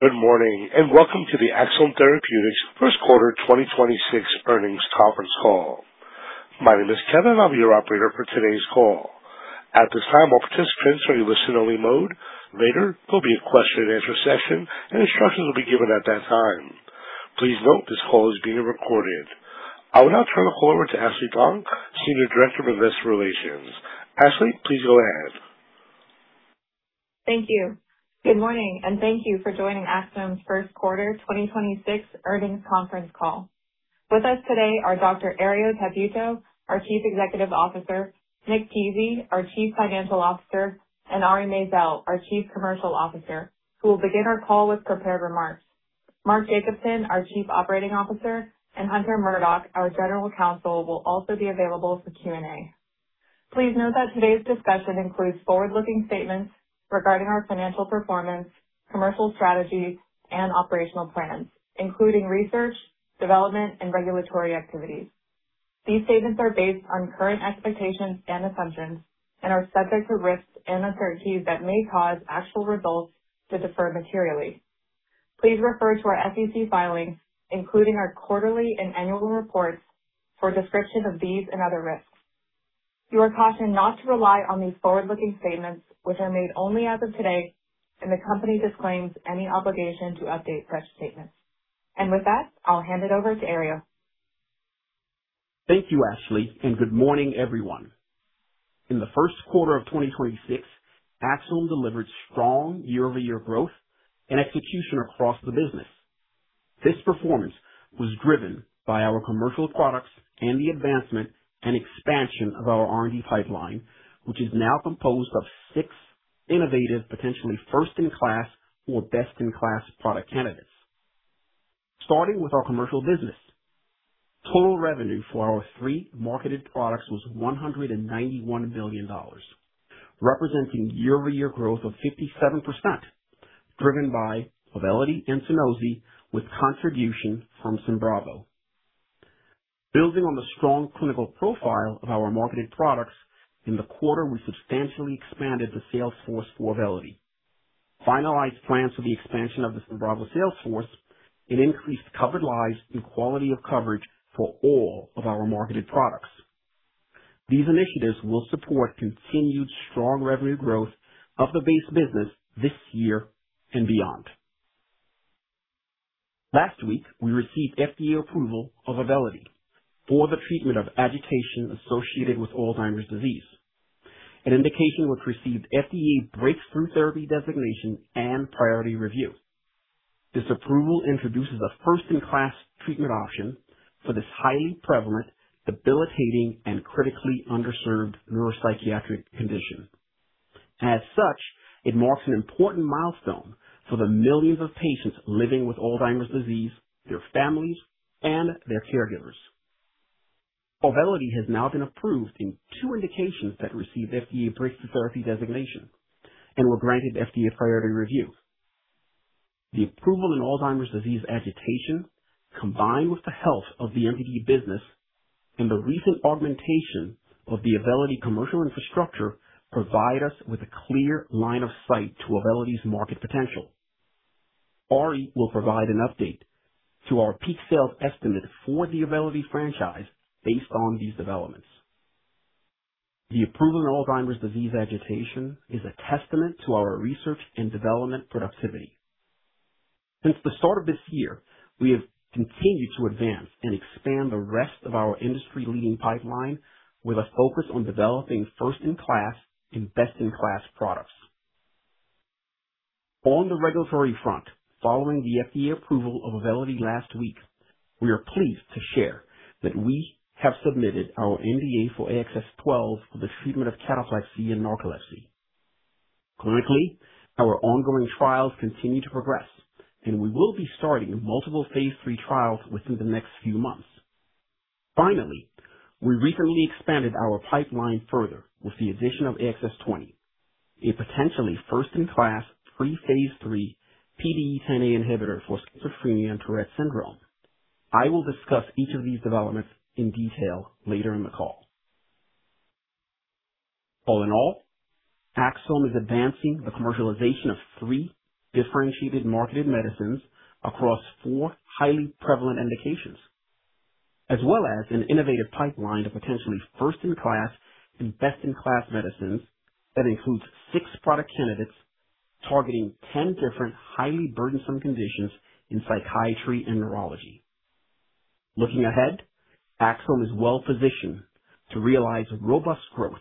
Good morning, and welcome to the Axsome first quarter 2026 earnings conference call. My name is Ken, and I'll be your operator for today's call. At this time, all participants are in listen-only mode. Later, there'll be a question-and-answer session, and instructions will be given at that time. Please note this call is being recorded. I will now turn the call over to Ashley Dong, Senior Director of Investor Relations. Ashley, please go ahead. Thank you. Good morning, and thank you for joining Axsome's first quarter 2026 earnings conference call. With us today are Dr. Herriot Tabuteau, our Chief Executive Officer, Nick Pizzie, our Chief Financial Officer, and Ari Maizel, our Chief Commercial Officer, who will begin our call with prepared remarks. Mark Jacobson, our Chief Operating Officer, and Hunter Murdock, our General Counsel, will also be available for Q&A. Please note that today's discussion includes forward-looking statements regarding our financial performance, commercial strategies, and operational plans, including research, development, and regulatory activities. These statements are based on current expectations and assumptions and are subject to risks and uncertainties that may cause actual results to differ materially. Please refer to our SEC filings, including our quarterly and annual reports, for a description of these and other risks. You are cautioned not to rely on these forward-looking statements, which are made only as of today, and the company disclaims any obligation to update such statements. With that, I'll hand it over to Ari. Thank you, Skip, and good morning, everyone. In the first quarter of 2026, Axsome delivered strong year-over-year growth and execution across the business. This performance was driven by our commercial products and the advancement and expansion of our R&D pipeline, which is now composed of six innovative, potentially first-in-class or best-in-class product candidates. Starting with our commercial business, total revenue for our three marketed products was $191 million, representing year-over-year growth of 57%, driven by Auvelity and Sunosi with contribution from SYMBRAVO. Building on the strong clinical profile of our marketed products, in the quarter, we substantially expanded the sales force for Auvelity, finalized plans for the expansion of the SYMBRAVO sales force, and increased covered lives and quality of coverage for all of our marketed products. These initiatives will support continued strong revenue growth of the base business this year and beyond. Last week, we received FDA approval of Auvelity for the treatment of agitation associated with Alzheimer's disease, an indication which received FDA breakthrough therapy designation and priority review. This approval introduces a first-in-class treatment option for this highly prevalent, debilitating, and critically underserved neuropsychiatric condition. As such, it marks an important milestone for the millions of patients living with Alzheimer's disease, their families, and their caregivers. Auvelity has now been approved in two indications that received FDA breakthrough therapy designation and were granted FDA priority review. The approval in Alzheimer's disease agitation, combined with the health of the MDD business and the recent augmentation of the Auvelity commercial infrastructure, provide us with a clear line of sight to Auvelity's market potential. Ari will provide an update to our peak sales estimate for the Auvelity franchise based on these developments. The approval in Alzheimer's disease agitation is a testament to our research and development productivity. Since the start of this year, we have continued to advance and expand the rest of our industry-leading pipeline with a focus on developing first-in-class and best-in-class products. On the regulatory front, following the FDA approval of Auvelity last week, we are pleased to share that we have submitted our NDA for AXS-12 for the treatment of cataplexy and narcolepsy. Clinically, our ongoing trials continue to progress, and we will be starting multiple phase III trials within the next few months. Finally, we recently expanded our pipeline further with the addition of AXS-20, a potentially first-in-class pre-phase III PDE10A inhibitor for schizophrenia and Tourette syndrome. I will discuss each of these developments in detail later in the call. All in all, Axsome is advancing the commercialization of three differentiated marketed medicines across four highly prevalent indications, as well as an innovative pipeline of potentially first-in-class and best-in-class medicines that includes six product candidates targeting 10 different highly burdensome conditions in psychiatry and neurology. Looking ahead, Axsome is well-positioned to realize robust growth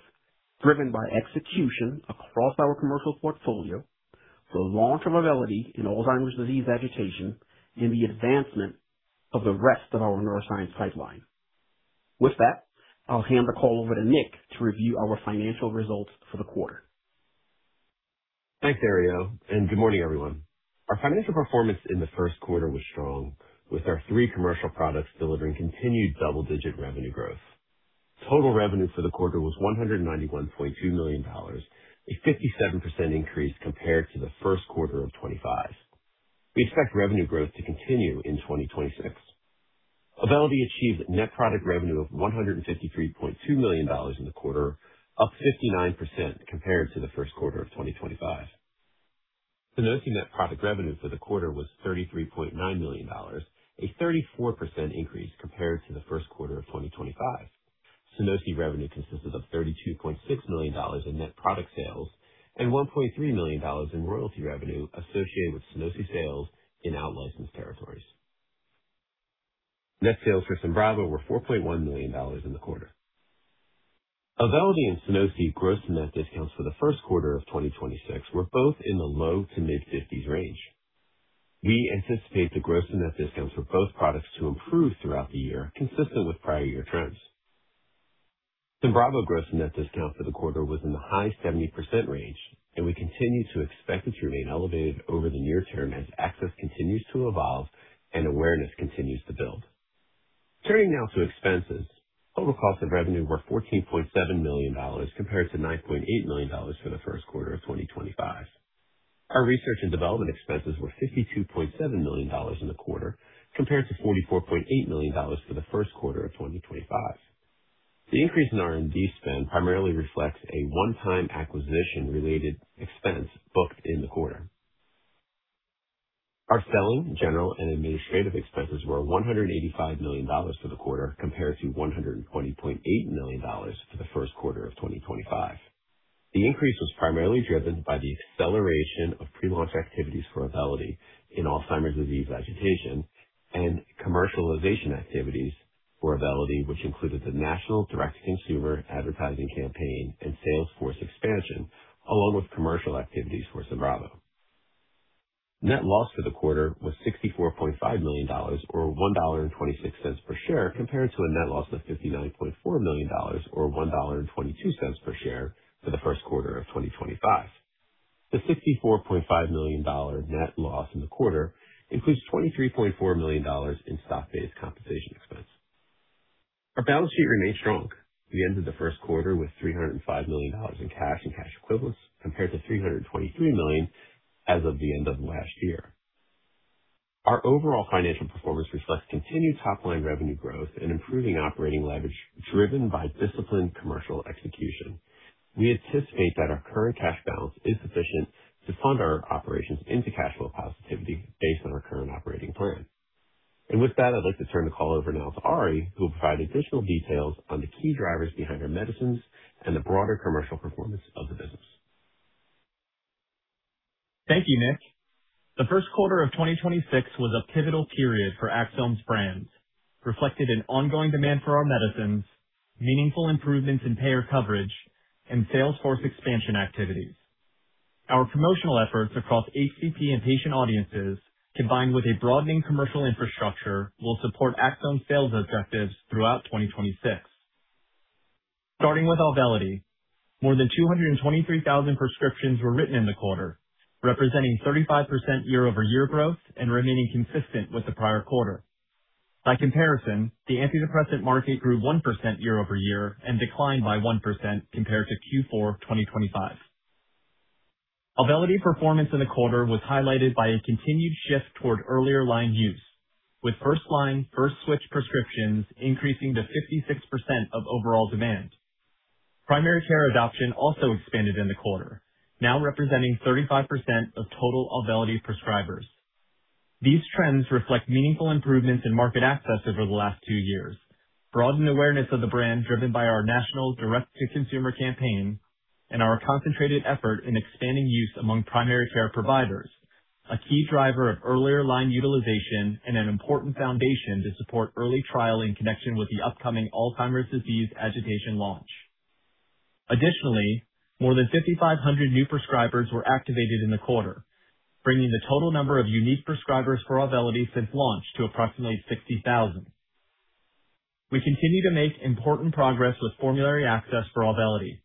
driven by execution across our commercial portfolio for long-term Auvelity in Alzheimer's disease agitation and the advancement of the rest of our neuroscience pipeline. With that, I'll hand the call over to Nick to review our financial results for the quarter. Thanks, Herriot, and good morning, everyone. Our financial performance in the first quarter was strong, with our three commercial products delivering continued double-digit revenue growth. Total revenue for the quarter was $191.2 million, a 57% increase compared to the first quarter of 2025. We expect revenue growth to continue in 2026. Auvelity achieved net product revenue of $153.2 million in the quarter, up 59% compared to the first quarter of 2025. Sunosi net product revenue for the quarter was $33.9 million, a 34% increase compared to the first quarter of 2025. Sunosi revenue consisted of $32.6 million in net product sales and $1.3 million in royalty revenue associated with Sunosi sales in out-licensed territories. Net sales for SYMBRAVO were $4.1 million in the quarter. Auvelity and Sunosi gross-to-net discounts for the first quarter of 2026 were both in the low-to-mid 50s range. We anticipate the gross net discounts for both products to improve throughout the year, consistent with prior year trends. SYMBRAVO gross net discount for the quarter was in the high 70% range, and we continue to expect it to remain elevated over the near term as access continues to evolve and awareness continues to build. Turning now to expenses. Total cost of revenue were $14.7 million compared to $9.8 million for the first quarter of 2025. Our research and development expenses were $52.7 million in the quarter, compared to $44.8 million for the first quarter of 2025. The increase in R&D spend primarily reflects a one-time acquisition-related expense booked in the quarter. Our selling, general, and administrative expenses were $185 million for the quarter, compared to $120.8 million for the first quarter of 2025. The increase was primarily driven by the acceleration of pre-launch activities for Auvelity in Alzheimer's disease agitation and commercialization activities for Auvelity, which included the national direct-to-consumer advertising campaign and sales force expansion, along with commercial activities for SYMBRAVO. Net loss for the quarter was $64.5 million, or $1.26 per share, compared to a net loss of $59.4 million, or $1.22 per share, for the first quarter of 2025. The $64.5 million net loss in the quarter includes $23.4 million in stock-based compensation expense. Our balance sheet remains strong. We ended the first quarter with $305 million in cash and cash equivalents, compared to $323 million as of the end of last year. Our overall financial performance reflects continued top-line revenue growth and improving operating leverage driven by disciplined commercial execution. We anticipate that our current cash balance is sufficient to fund our operations into cash flow positivity based on our current operating plan. With that, I'd like to turn the call over now to Ari, who will provide additional details on the key drivers behind our medicines and the broader commercial performance of the business. Thank you, Nick. The first quarter of 2026 was a pivotal period for Axsome's brands, reflected in ongoing demand for our medicines, meaningful improvements in payer coverage, and sales force expansion activities. Our promotional efforts across HCP and patient audiences, combined with a broadening commercial infrastructure, will support Axsome sales objectives throughout 2026. Starting with Auvelity, more than 223,000 prescriptions were written in the quarter, representing 35% year-over-year growth and remaining consistent with the prior quarter. By comparison, the antidepressant market grew 1% year-over-year and declined by 1% compared to Q4 2025. Auvelity performance in the quarter was highlighted by a continued shift toward earlier line use, with first-line, first-switch prescriptions increasing to 56% of overall demand. Primary care adoption also expanded in the quarter, now representing 35% of total Auvelity prescribers. These trends reflect meaningful improvements in market access over the last two years, broadened awareness of the brand driven by our national direct-to-consumer campaign, and our concentrated effort in expanding use among primary care providers, a key driver of earlier line utilization and an important foundation to support early trial in connection with the upcoming Alzheimer's disease agitation launch. Additionally, more than 5,500 new prescribers were activated in the quarter, bringing the total number of unique prescribers for Auvelity since launch to approximately 60,000. We continue to make important progress with formulary access for Auvelity.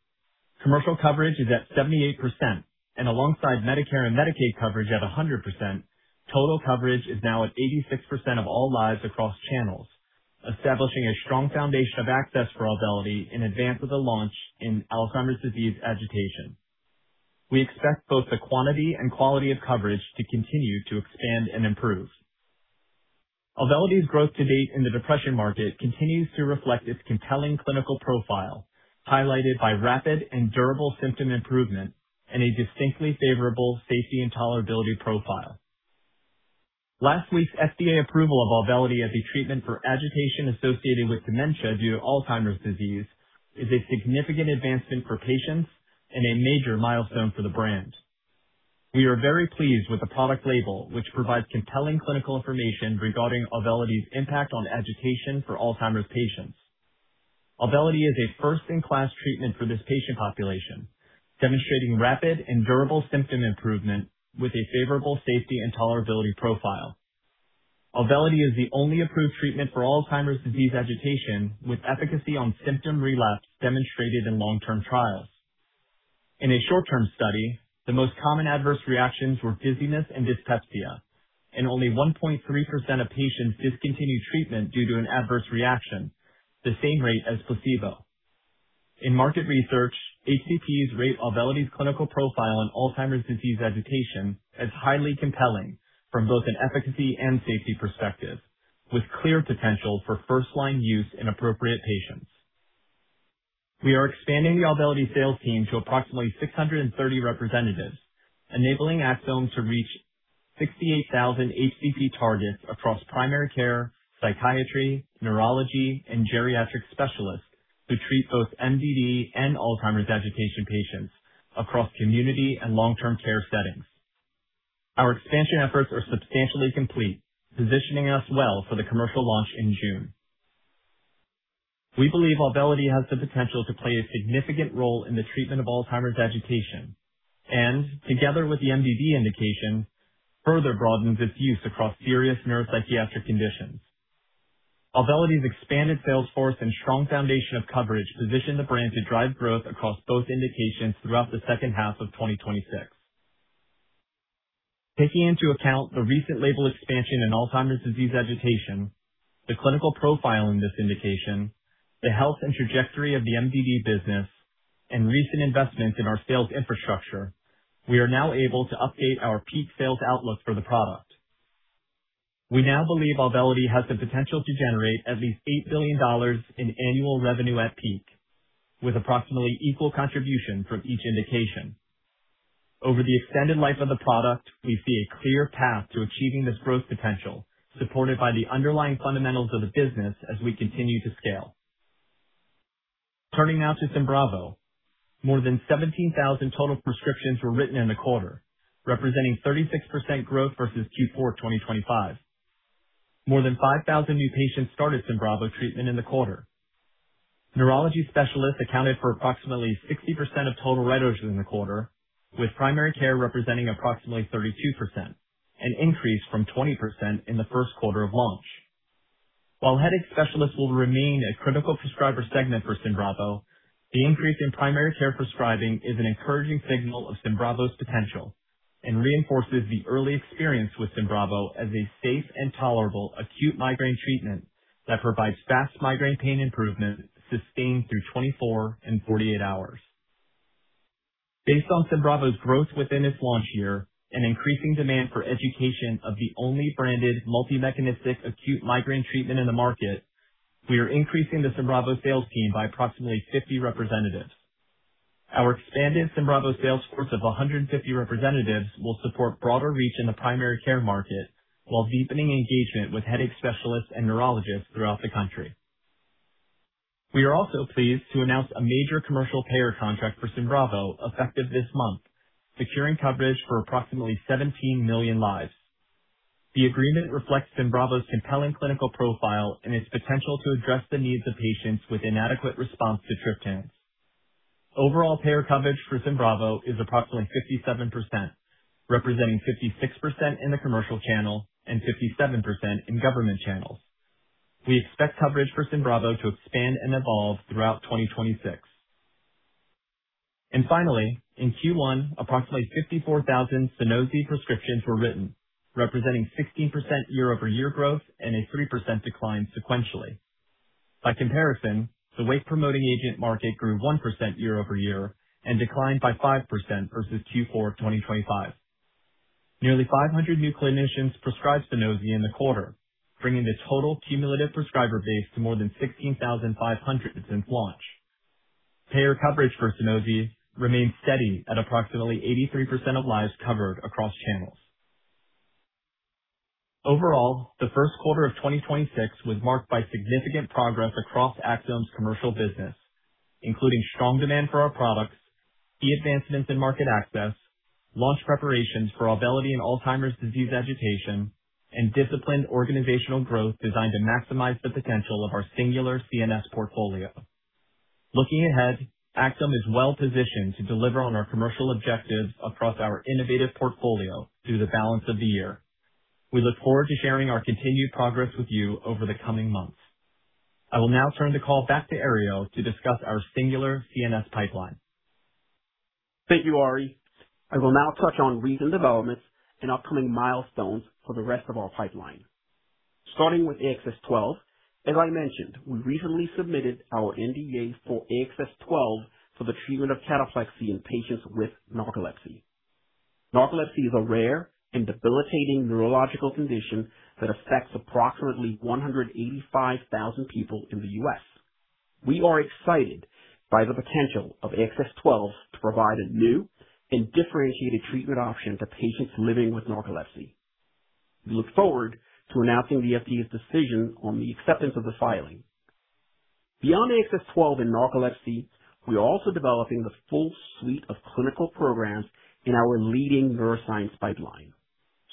Commercial coverage is at 78%, and alongside Medicare and Medicaid coverage at 100%, total coverage is now at 86% of all lives across channels, establishing a strong foundation of access for Auvelity in advance of the launch in Alzheimer's disease agitation. We expect both the quantity and quality of coverage to continue to expand and improve. Auvelity's growth to date in the depression market continues to reflect its compelling clinical profile, highlighted by rapid and durable symptom improvement and a distinctly favorable safety and tolerability profile. Last week's FDA approval of Auvelity as a treatment for agitation associated with dementia due to Alzheimer's disease is a significant advancement for patients and a major milestone for the brand. We are very pleased with the product label, which provides compelling clinical information regarding Auvelity's impact on agitation for Alzheimer's patients. Auvelity is a first-in-class treatment for this patient population, demonstrating rapid and durable symptom improvement with a favorable safety and tolerability profile. Auvelity is the only approved treatment for Alzheimer's disease agitation, with efficacy on symptom relapse demonstrated in long-term trials. In a short-term study, the most common adverse reactions were dizziness and dyspepsia, and only 1.3% of patients discontinued treatment due to an adverse reaction, the same rate as placebo. In market research, HCPs rate Auvelity's clinical profile in Alzheimer's disease agitation as highly compelling from both an efficacy and safety perspective, with clear potential for first-line use in appropriate patients. We are expanding the Auvelity sales team to approximately 630 representatives, enabling Axsome to reach 68,000 HCP targets across primary care, psychiatry, neurology, and geriatric specialists who treat both MDD and Alzheimer's agitation patients across community and long-term care settings. Our expansion efforts are substantially complete, positioning us well for the commercial launch in June. We believe Auvelity has the potential to play a significant role in the treatment of Alzheimer's agitation, and together with the MDD indication, further broadens its use across serious neuropsychiatric conditions. Auvelity's expanded sales force and strong foundation of coverage position the brand to drive growth across both indications throughout the second half of 2026. Taking into account the recent label expansion in Alzheimer's disease agitation, the clinical profile in this indication, the health and trajectory of the MDD business, and recent investments in our sales infrastructure, we are now able to update our peak sales outlook for the product. We now believe Auvelity has the potential to generate at least $8 billion in annual revenue at peak, with approximately equal contribution from each indication. Over the extended life of the product, we see a clear path to achieving this growth potential, supported by the underlying fundamentals of the business as we continue to scale. Turning now to SYMBRAVO. More than 17,000 total prescriptions were written in the quarter, representing 36% growth versus Q4 2025. More than 5,000 new patients started SYMBRAVO treatment in the quarter. Neurology specialists accounted for approximately 60% of total writers in the quarter, with primary care representing approximately 32%, an increase from 20% in the first quarter of launch. While headache specialists will remain a critical prescriber segment for SYMBRAVO, the increase in primary care prescribing is an encouraging signal of SYMBRAVO's potential and reinforces the early experience with SYMBRAVO as a safe and tolerable acute migraine treatment that provides fast migraine pain improvement sustained through 24 and 48 hours. Based on SYMBRAVO's growth within its launch year and increasing demand for education of the only branded multi-mechanistic acute migraine treatment in the market, we are increasing the SYMBRAVO sales team by approximately 50 representatives. Our expanded SYMBRAVO sales force of 150 representatives will support broader reach in the primary care market while deepening engagement with headache specialists and neurologists throughout the country. We are also pleased to announce a major commercial payer contract for SYMBRAVO effective this month, securing coverage for approximately 17 million lives. The agreement reflects SYMBRAVO's compelling clinical profile and its potential to address the needs of patients with inadequate response to triptans. Overall payer coverage for SYMBRAVO is approximately 57%, representing 56% in the commercial channel and 57% in government channels. We expect coverage for SYMBRAVO to expand and evolve throughout 2026. Finally, in Q1, approximately 54,000 Sunosi prescriptions were written, representing 16% year-over-year growth and a 3% decline sequentially. By comparison, the wake-promoting agent market grew 1% year-over-year and declined by 5% versus Q4 2025. Nearly 500 new clinicians prescribed Sunosi in the quarter, bringing the total cumulative prescriber base to more than 16,500 since launch. Payer coverage for Sunosi remains steady at approximately 83% of lives covered across channels. Overall, the first quarter of 2026 was marked by significant progress across Axsome's commercial business, including strong demand for our products, key advancements in market access, launch preparations for Auvelity and Alzheimer's disease agitation, and disciplined organizational growth designed to maximize the potential of our singular CNS portfolio. Looking ahead, Axsome is well positioned to deliver on our commercial objectives across our innovative portfolio through the balance of the year. We look forward to sharing our continued progress with you over the coming months. I will now turn the call back to Herriot to discuss our singular CNS pipeline. Thank you, Ari. I will now touch on recent developments and upcoming milestones for the rest of our pipeline. Starting with AXS-12, as I mentioned, we recently submitted our NDA for AXS-12 for the treatment of cataplexy in patients with narcolepsy. Narcolepsy is a rare and debilitating neurological condition that affects approximately 185,000 people in the U.S. We are excited by the potential of AXS-12 to provide a new and differentiated treatment option to patients living with narcolepsy. We look forward to announcing the FDA's decision on the acceptance of the filing. Beyond AXS-12 and narcolepsy, we are also developing the full suite of clinical programs in our leading neuroscience pipeline.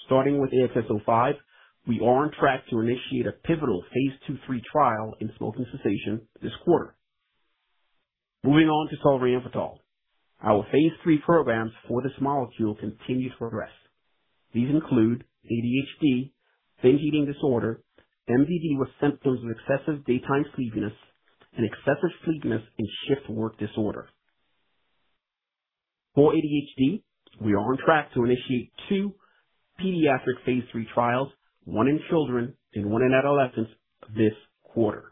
Starting with AXS-05, we are on track to initiate a pivotal phase II/III trial in smoking cessation this quarter. Moving on to solriamfetol. Our phase III programs for this molecule continue to progress. These include ADHD, binge eating disorder, MDD with symptoms of excessive daytime sleepiness, and excessive sleepiness in shift work disorder. For ADHD, we are on track to initiate two pediatric phase III trials, one in children and one in adolescents this quarter.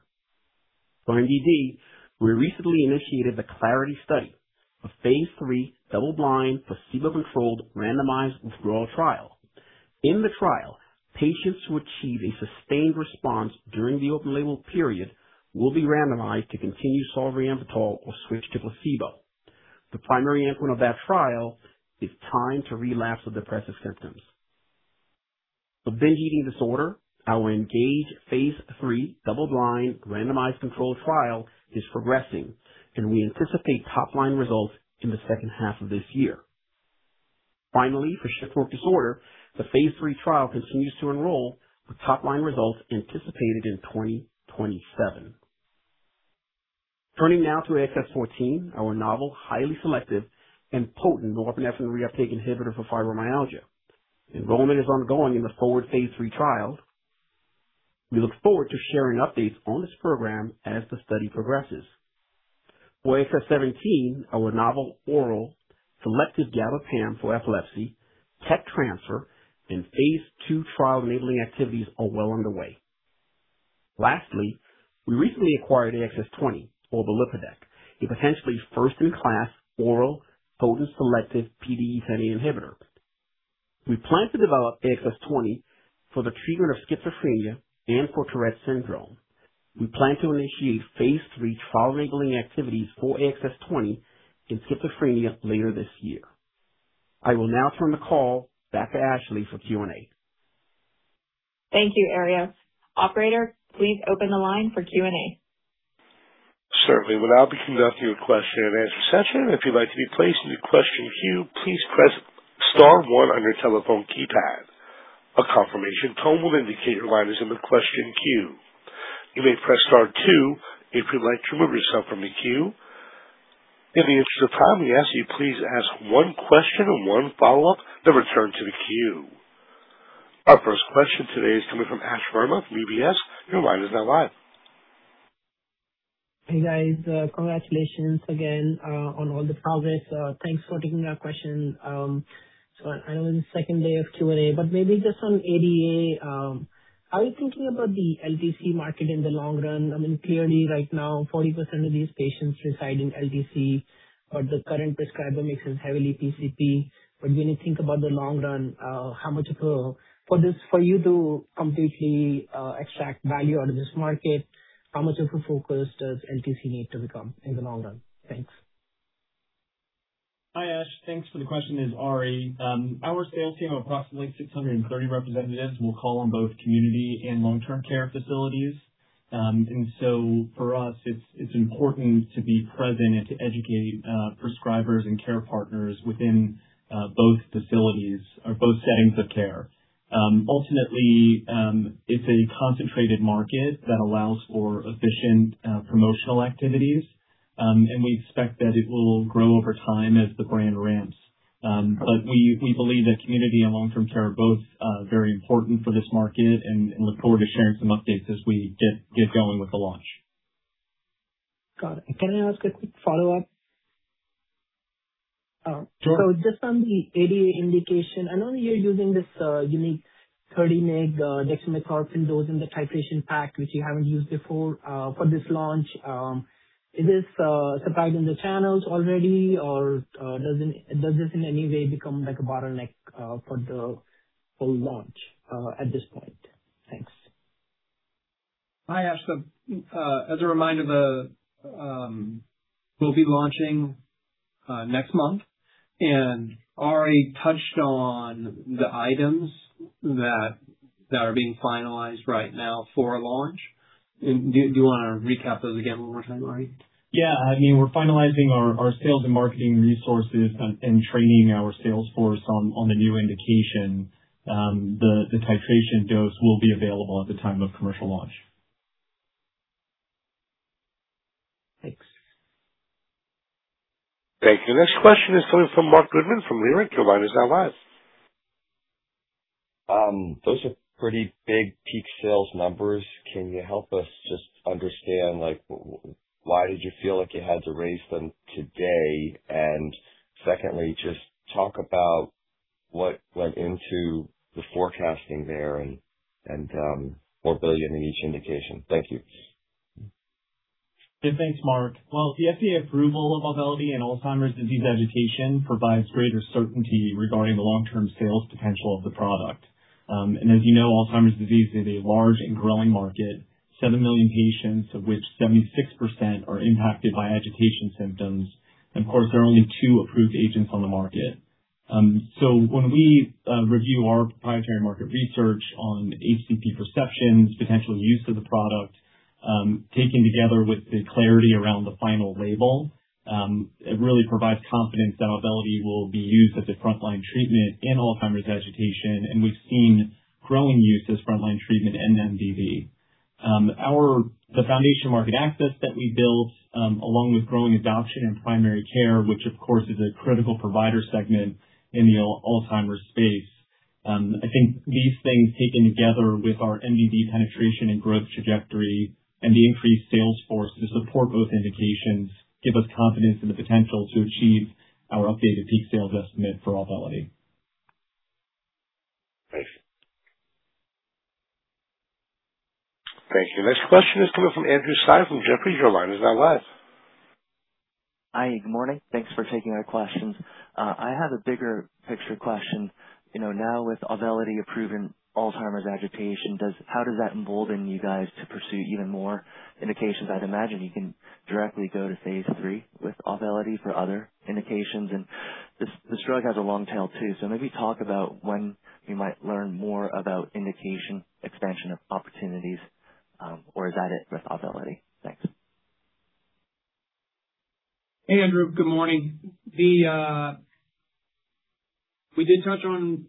For MDD, we recently initiated the CLARITY study, a phase III double-blind, placebo-controlled, randomized withdrawal trial. In the trial, patients who achieve a sustained response during the open-label period will be randomized to continue solriamfetol or switch to placebo. The primary endpoint of that trial is time to relapse of depressive symptoms. For binge eating disorder, our ENGAGE phase III double-blind, randomized controlled trial is progressing, and we anticipate top-line results in the second half of this year. Finally, for shift work disorder, the phase III trial continues to enroll, with top-line results anticipated in 2027. Turning now to AXS-14, our novel, highly selective and potent norepinephrine reuptake inhibitor for fibromyalgia. Enrollment is ongoing in the FORWARD phase III trial. We look forward to sharing updates on this program as the study progresses. For AXS-17, our novel oral selective gabapentin for epilepsy, tech transfer and phase II trial enabling activities are well underway. Lastly, we recently acquired AXS-20, or balipodect, a potentially first-in-class oral potent selective PDE10 inhibitor. We plan to develop AXS-20 for the treatment of schizophrenia and for Tourette syndrome. We plan to initiate phase III trial-enabling activities for AXS-20 in schizophrenia later this year. I will now turn the call back to Skip for Q&A. Thank you, Herriot Tabuteau. Operator, please open the line for Q&A. Certainly. We'll now be conducting a question and answer session. If you'd like to be placed in the question queue, please press star 1 on your telephone keypad. A confirmation tone will indicate your line is in the question queue. You may press star 2 if you'd like to remove yourself from the queue. In the interest of time, we ask you please ask 1 question and 1 follow-up, then return to the queue. Our first question today is coming from Ashwani Verma from UBS. Your line is now live. Hey, guys. Congratulations again on all the progress. Thanks for taking our question. I know it's the second day of Q&A, but maybe just on ADA, are you thinking about the LTC market in the long run? Clearly right now, 40% of these patients reside in LTC, but the current prescriber mix is heavily PCP. When you think about the long run, for you to completely extract value out of this market, how much of a focus does LTC need to become in the long run? Thanks. Hi, Ashwani. Thanks for the question. It's Ari. Our sales team of approximately 630 representatives will call on both community and long-term care facilities. For us, it's important to be present and to educate prescribers and care partners within both facilities or both settings of care. Ultimately, it's a concentrated market that allows for efficient promotional activities, and we expect that it will grow over time as the brand ramps. We believe that community and long-term care are both very important for this market and look forward to sharing some updates as we get going with the launch. Got it. Can I ask a quick follow-up? Sure. Just on the ADA indication, I know you're using this unique 30 mg dextromethorphan dose in the titration pack, which you haven't used before for this launch. Is this supplied in the channels already or does this in any way become like a bottleneck for the full launch at this point? Thanks. Hi, Ash. As a reminder, we'll be launching next month, and Ari touched on the items that are being finalized right now for launch. Do you want to recap those again one more time, Ari? Yeah. We're finalizing our sales and marketing resources and training our sales force on the new indication. The titration dose will be available at the time of commercial launch. Thanks. Thank you. Next question is coming from Marc Goodman from Leerink. Your line is now live. Those are pretty big peak sales numbers. Can you help us just understand why did you feel like you had to raise them today? Secondly, just talk about what went into the forecasting there and $4 billion in each indication. Thank you. Yeah. Thanks, Marc. Well, the FDA approval of Auvelity in Alzheimer's disease agitation provides greater certainty regarding the long-term sales potential of the product. As you know, Alzheimer's disease is a large and growing market, 7 million patients, of which 76% are impacted by agitation symptoms. Of course, there are only two approved agents on the market. When we review our proprietary market research on HCP perceptions, potential use of the product, taken together with the clarity around the final label, it really provides confidence that Auvelity will be used as a frontline treatment in Alzheimer's agitation, and we've seen growing use as frontline treatment in MDD. The foundation market access that we built, along with growing adoption in primary care, which of course is a critical provider segment in the Alzheimer's space I think these things, taken together with our MDD penetration and growth trajectory and the increased sales force to support both indications, give us confidence in the potential to achieve our updated peak sales estimate for Auvelity. Thank you. Thank you. Next question is coming from Andrew Tsai from Jefferies. Your line is now live. Hi, good morning. Thanks for taking our questions. I had a bigger picture question. Now with Auvelity approving Alzheimer's agitation, how does that embolden you guys to pursue even more indications? I'd imagine you can directly go to phase III with Auvelity for other indications, and this drug has a long tail, too. Maybe talk about when we might learn more about indication expansion of opportunities, or is that it with Auvelity? Thanks. Hey, Andrew. Good morning. We did touch on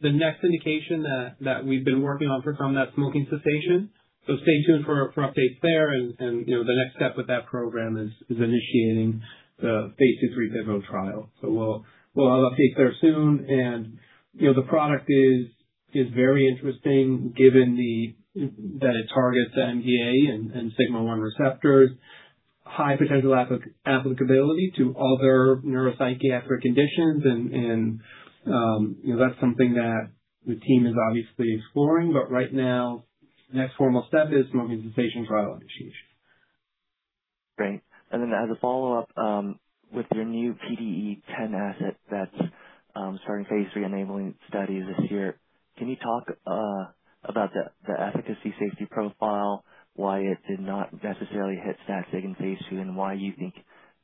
the next indication that we've been working on for some, that smoking cessation. Stay tuned for updates there. The next step with that program is initiating the phase II-III pivotal trial. We'll have updates there soon. The product is very interesting given that it targets the NMDA and sigma-1 receptors. High potential applicability to other neuropsychiatric conditions and that's something that the team is obviously exploring. Right now, the next formal step is smoking cessation trial initiation. Great. Then as a follow-up, with your new PDE10 asset that's starting phase III enabling studies this year, can you talk about the efficacy safety profile, why it did not necessarily hit statistic in phase II, and why you think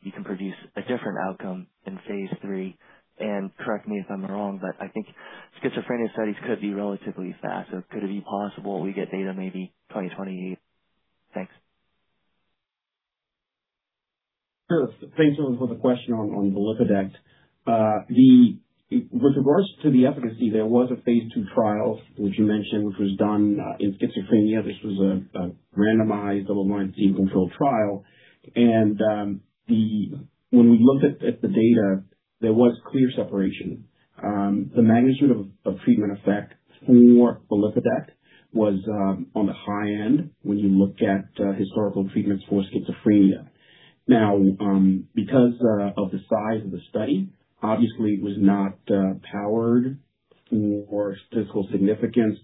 you can produce a different outcome in phase III? Correct me if I'm wrong, but I think schizophrenia studies could be relatively fast, or could it be possible we get data maybe 2028? Thanks. Sure. Thanks, Andrew, for the question on balipodect. With regards to the efficacy, there was a phase II trial, which you mentioned, which was done in schizophrenia. This was a randomized double-blind, placebo-controlled trial. When we looked at the data, there was clear separation. The magnitude of treatment effect for balipodect was on the high end when you look at historical treatments for schizophrenia. Because of the size of the study, obviously, it was not powered for statistical significance.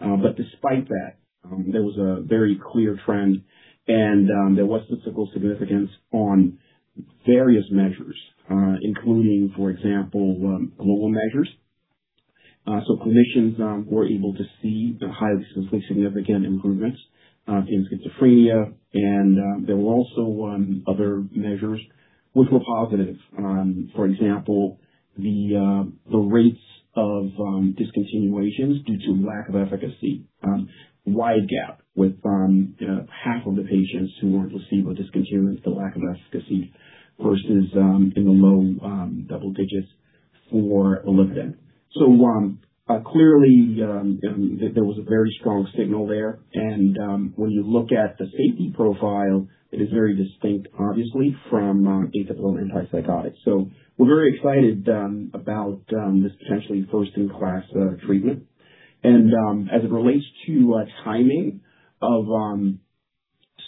Despite that, there was a very clear trend and there was statistical significance on various measures including, for example, global measures. Clinicians were able to see the highly statistically significant improvements in schizophrenia, and there were also other measures which were positive. For example, the rates of discontinuations due to lack of efficacy. Wide gap with half of the patients who were placebo discontinuance, the lack of efficacy versus in the low double digits for balipodect. Clearly, there was a very strong signal there. When you look at the safety profile, it is very distinct, obviously, from atypical antipsychotics. We're very excited about this potentially first-in-class treatment. As it relates to timing of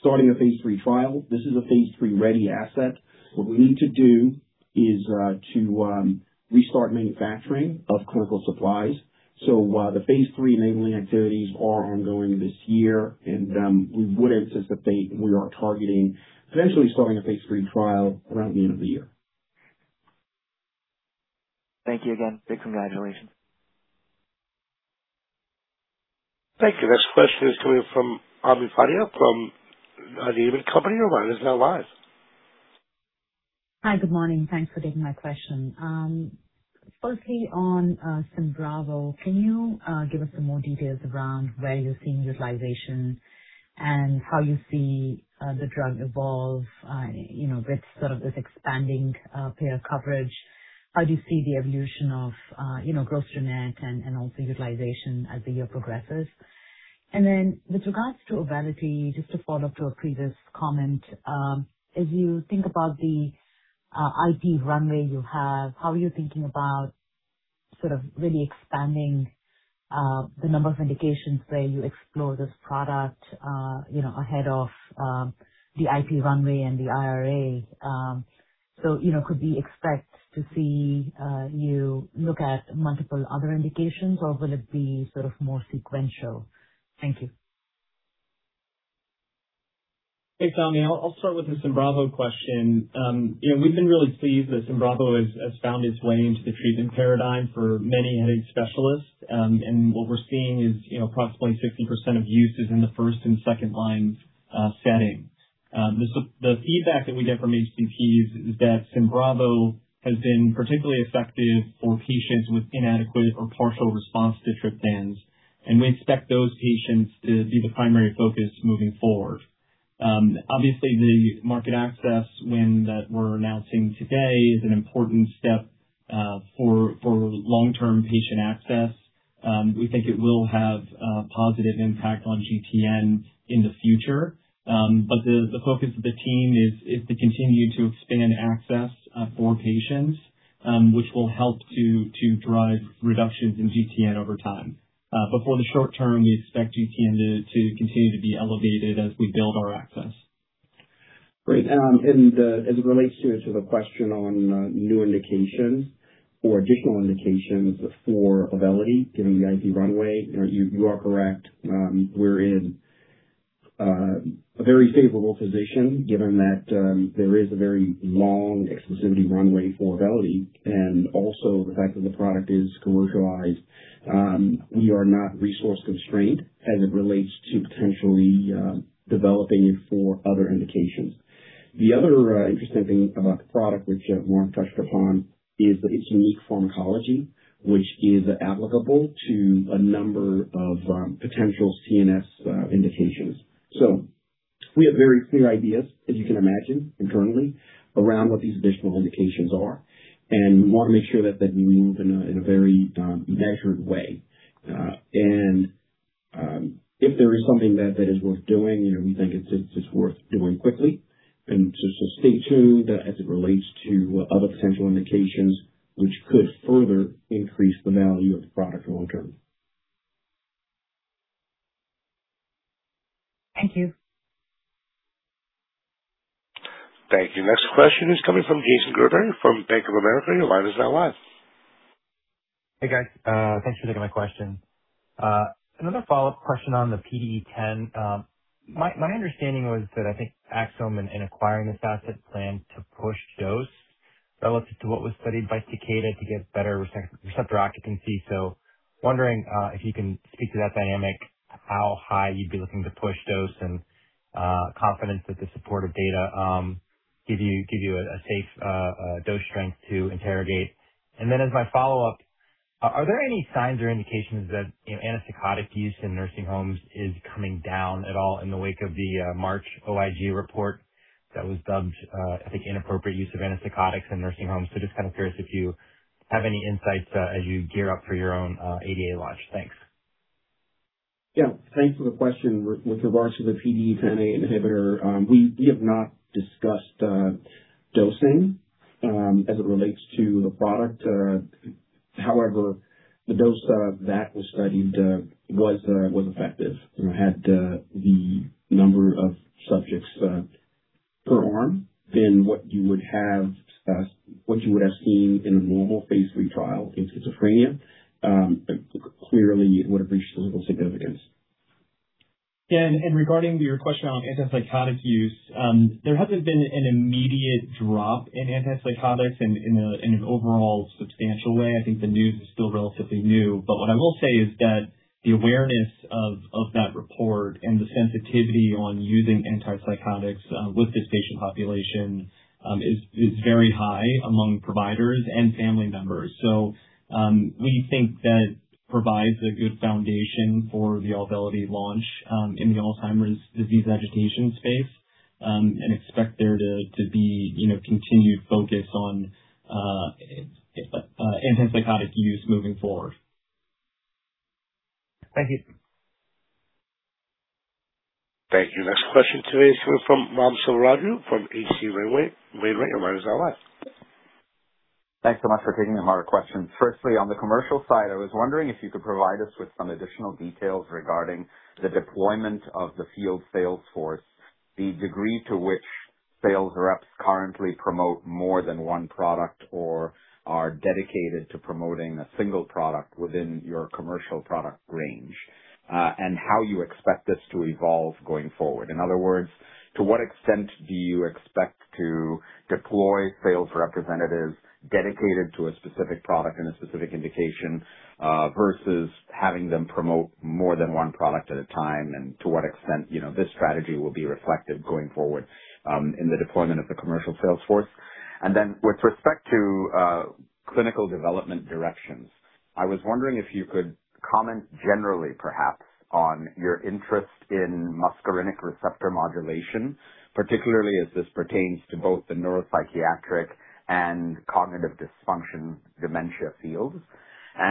starting a phase III trial, this is a phase III-ready asset. What we need to do is to restart manufacturing of clinical supplies. While the phase III enabling activities are ongoing this year, and we would anticipate we are targeting eventually starting a phase III trial around the end of the year. Thank you again. Big congratulations. Thank you. Next question is coming from Ami Fadia from Needham & Company. Your line is now live. Hi. Good morning. Thanks for taking my question. Firstly, on SYMBRAVO, can you give us some more details around where you're seeing utilization and how you see the drug evolve with sort of this expanding payer coverage? How do you see the evolution of GTN and also utilization as the year progresses? With regards to Auvelity, just to follow up to a previous comment, as you think about the IP runway you have, how are you thinking about sort of really expanding the number of indications where you explore this product ahead of the IP runway and the IRA? Could we expect to see you look at multiple other indications, or will it be sort of more sequential? Thank you. Hey, Ami. I'll start with the SYMBRAVO question. We've been really pleased that SYMBRAVO has found its way into the treatment paradigm for many headache specialists. What we're seeing is approximately 60% of use is in the first- and second-line setting. The feedback that we get from HCPs is that SYMBRAVO has been particularly effective for patients with inadequate or partial response to triptans, and we expect those patients to be the primary focus moving forward. Obviously, the market access win that we're announcing today is an important step for long-term patient access. We think it will have a positive impact on GTN in the future. The focus of the team is to continue to expand access for patients which will help to drive reductions in GTN over time. For the short term, we expect GTN to continue to be elevated as we build our access. Great. As it relates to the question on new indications or additional indications for Auvelity, given the IP runway, you are correct. We're in a very favorable position given that there is a very long exclusivity runway for Auvelity, and also the fact that the product is commercialized. We are not resource-constrained as it relates to potentially developing it for other indications. The other interesting thing about the product, which Ari touched upon, is its unique pharmacology, which is applicable to a number of potential CNS indications. We have very clear ideas, as you can imagine, internally around what these additional indications are, and we want to make sure that we move in a very measured way. If there is something that is worth doing, we think it's worth doing quickly and just to stay tuned as it relates to other potential indications which could further increase the value of the product long term. Thank you. Thank you. Next question is coming from Jason Gerberry from Bank of America. Your line is now live. Hey, guys. Thanks for taking my question. Another follow-up question on the PDE10. My understanding was that I think Axsome in acquiring this asset planned to push dose relative to what was studied by Takeda to get better receptor occupancy. Wondering if you can speak to that dynamic, how high you'd be looking to push dose, and confidence that the supportive data give you a safe dose strength to interrogate. As my follow-up, are there any signs or indications that antipsychotic use in nursing homes is coming down at all in the wake of the March OIG report that was dubbed, I think, inappropriate use of antipsychotics in nursing homes? Just kind of curious if you have any insights as you gear up for your own ADA launch. Thanks. Yeah, thanks for the question. With regards to the PDE10 inhibitor, we have not discussed dosing as it relates to the product. However, the dose that was studied was effective. Had the number of subjects per arm been what you would have seen in a normal phase III trial in schizophrenia, clearly it would have reached the level of significance. Yeah. Regarding your question on antipsychotic use, there hasn't been an immediate drop in antipsychotics in an overall substantial way. I think the news is still relatively new. What I will say is that the awareness of that report and the sensitivity on using antipsychotics with this patient population is very high among providers and family members. We think that provides a good foundation for the Auvelity launch in the Alzheimer's disease agitation space and expect there to be continued focus on antipsychotic use moving forward. Thank you. Thank you. Next question today is coming from Ram Selvaraju from H.C. Wainwright. Your line is now live. Thanks so much for taking my questions. Firstly, on the commercial side, I was wondering if you could provide us with some additional details regarding the deployment of the field sales force, the degree to which sales reps currently promote more than one product, or are dedicated to promoting a single product within your commercial product range, and how you expect this to evolve going forward. In other words, to what extent do you expect to deploy sales representatives dedicated to a specific product and a specific indication versus having them promote more than one product at a time? To what extent this strategy will be reflected going forward in the deployment of the commercial sales force. With respect to clinical development directions, I was wondering if you could comment generally perhaps on your interest in muscarinic receptor modulation, particularly as this pertains to both the neuropsychiatric and cognitive dysfunction dementia fields.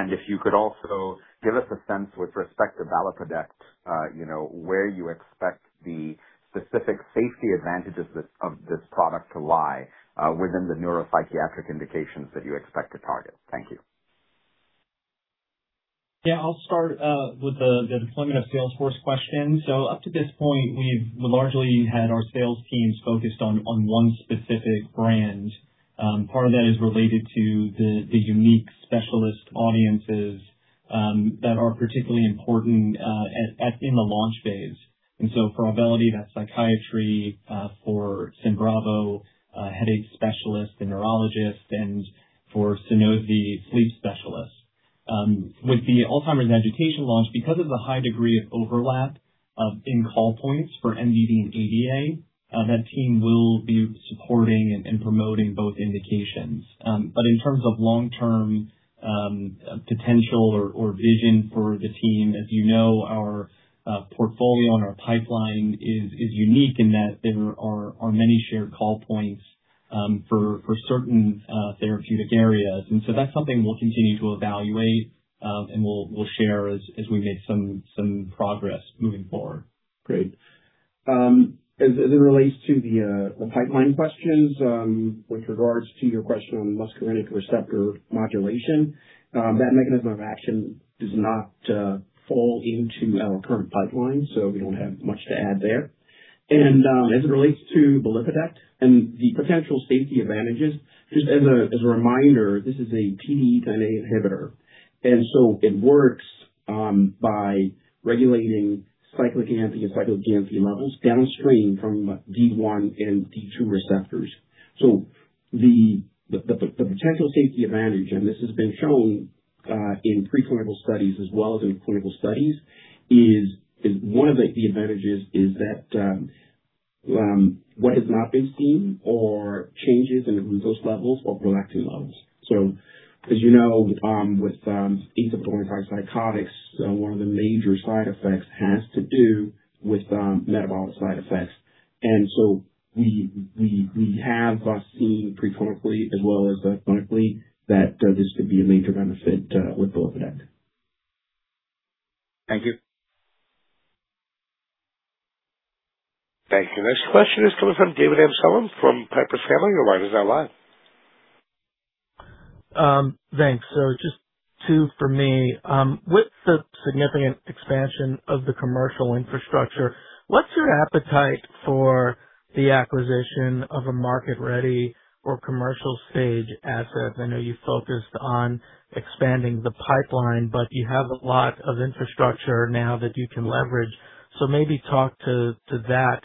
If you could also give us a sense with respect to balipodect, where you expect the specific safety advantages of this product to lie within the neuropsychiatric indications that you expect to target. Thank you. I'll start with the deployment of sales force question. Up to this point, we've largely had our sales teams focused on one specific brand. Part of that is related to the unique specialist audiences that are particularly important in the launch phase. For Auvelity, that's psychiatry, for SYMBRAVO, headache specialists and neurologists, and for Sunosi, sleep specialists. With the Alzheimer's agitation launch, because of the high degree of overlap in call points for MDD and ADA, that team will be supporting and promoting both indications. In terms of long-term potential or vision for the team, as you know, our portfolio and our pipeline is unique in that there are many shared call points for certain therapeutic areas. That's something we'll continue to evaluate, and we'll share as we make some progress moving forward. Great. As it relates to the pipeline questions, with regards to your question on muscarinic receptor modulation, that mechanism of action does not fall into our current pipeline, we don't have much to add there. As it relates to balipodect and the potential safety advantages, just as a reminder, this is a PDE10A inhibitor. It works by regulating cyclic AMP and cyclic GMP levels downstream from D1 and D2 receptors. The potential safety advantage, and this has been shown in pre-clinical studies as well as in clinical studies, is one of the advantages is that what has not been seen or changes in glucose levels or prolactin levels. As you know, with antipsychotics, one of the major side effects has to do with metabolic side effects. We have seen pre-clinically as well as clinically that this could be a major benefit with balipodect. Thank you. Thank you. Next question is coming from David Amsellem from Piper Sandler. Your line is now live. Thanks. Just two for me. With the significant expansion of the commercial infrastructure, what's your appetite for the acquisition of a market-ready or commercial stage asset? I know you focused on expanding the pipeline, but you have a lot of infrastructure now that you can leverage. Maybe talk to that.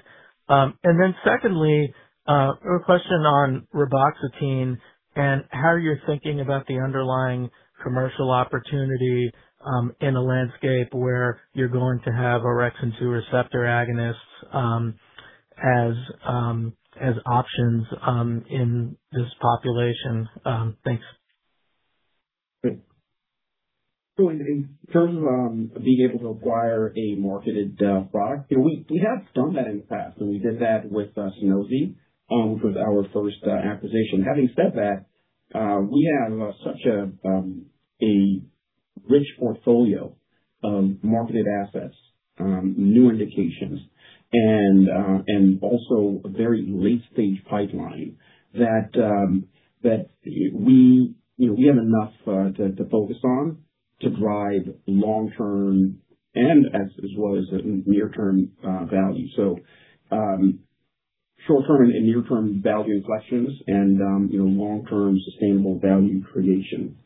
Secondly, a question on reboxetine and how you're thinking about the underlying commercial opportunity in a landscape where you're going to have orexin 2 receptor agonists as options in this population. Thanks. In terms of being able to acquire a marketed product, we have done that in the past, and we did that with Sunosi which was our first acquisition. Having said that, we have such a rich portfolio of marketed assets, new indications, and also a very late-stage pipeline that we have enough to focus on to drive long term and as well as near term value. Short term and near term value questions and long term sustainable value creation.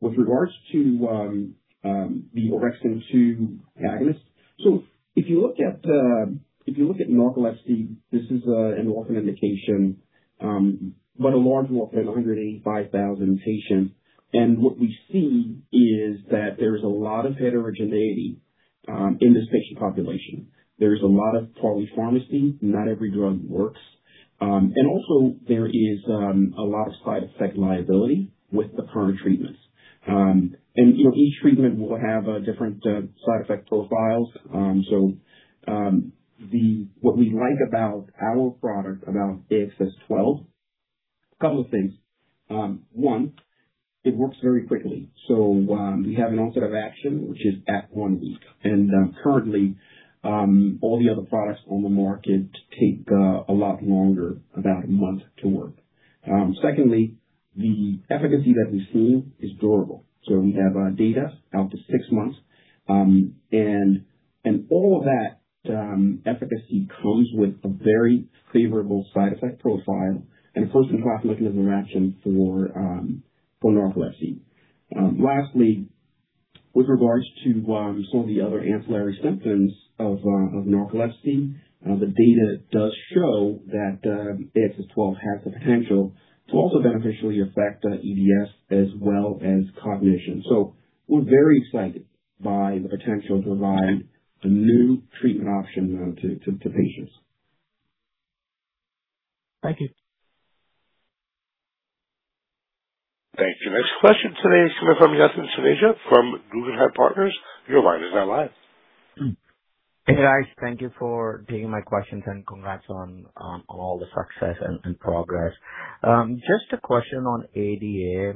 With regards to the orexin 2 agonist. If you look at narcolepsy, this is an orphan indication, but a large orphan, 185,000 patients. What we see is that there's a lot of heterogeneity in this patient population. There's a lot of polypharmacy. Not every drug works. Also there is a lot of side effect liability with the current treatments. Each treatment will have different side effect profiles. What we like about our product, about AXS-12, a couple of things. One, it works very quickly. We have an onset of action, which is at one week. Currently all the other products on the market take a lot longer, about a month to work. Secondly, the efficacy that we've seen is durable. We have data out to six months. All that efficacy comes with a very favorable side effect profile and a first in class mechanism of action for narcolepsy. Lastly, with regards to some of the other ancillary symptoms of narcolepsy, the data does show that AXS-12 has the potential to also beneficially affect EDS as well as cognition. We're very excited by the potential to provide a new treatment option to patients. Thank you. Thank you. Next question today is coming from Yatin Suneja from Guggenheim Partners. Your line is now live. Hey, guys. Thank you for taking my questions and congrats on all the success and progress. Just a question on ADA.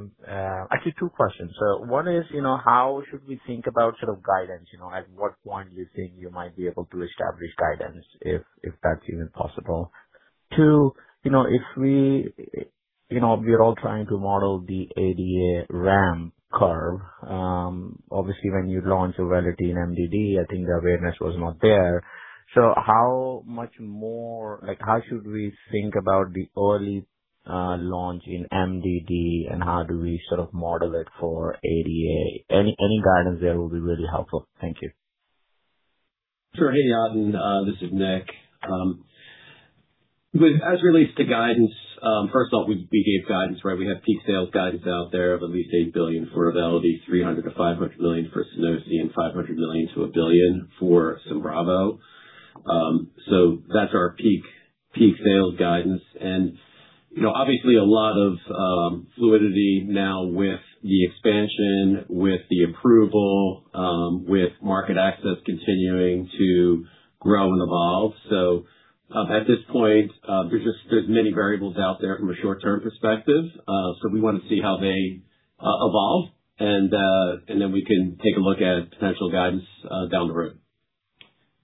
Actually, two questions. One is how should we think about sort of guidance? At what point do you think you might be able to establish guidance if that's even possible? Two, if we're all trying to model the ADA ramp curve, obviously when you launch Rexulti in MDD, I think the awareness was not there. How should we think about the early launch in MDD and how do we sort of model it for ADA? Any guidance there will be really helpful. Thank you. Sure. Hey, Yatin. This is Nick. As it relates to guidance, first of all, we gave guidance, right? We have peak sales guidance out there of at least 8 billion for Auvelity, 300 million-500 million for Sunosi, and 500 million-1 billion for SYMBRAVO. That's our peak sales guidance. Obviously a lot of fluidity now with the expansion, with the approval, with market access continuing to grow and evolve. At this point, there's many variables out there from a short term perspective. We want to see how they evolve, and then we can take a look at potential guidance down the road.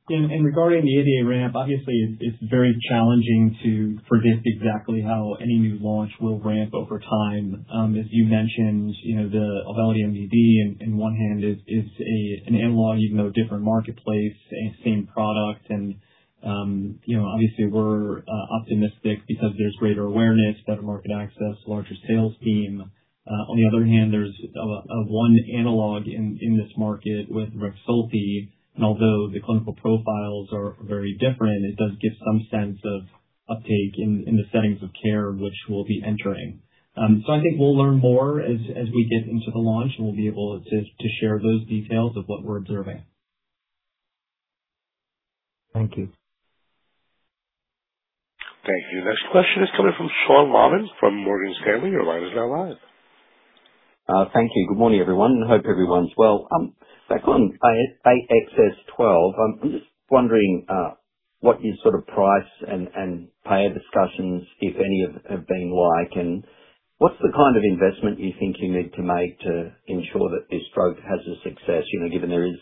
Regarding the ADA ramp, obviously, it's very challenging to predict exactly how any new launch will ramp over time. As you mentioned, the Auvelity MDD on one hand is an analog, even though different marketplace, same product. Obviously we're optimistic because there's greater awareness, better market access, larger sales team. On the other hand, there's one analog in this market with Rexulti, and although the clinical profiles are very different, it does give some sense of uptake in the settings of care which we'll be entering. I think we'll learn more as we get into the launch, and we'll be able to share those details of what we're observing. Thank you. Thank you. Next question is coming from Sean Laaman from Morgan Stanley. Your line is now live. Thank you. Good morning, everyone, and hope everyone's well. Back on AXS-12, I'm just wondering what your sort of price and payer discussions, if any, have been like, and what is the kind of investment you think you need to make to ensure that this drug has a success, given there is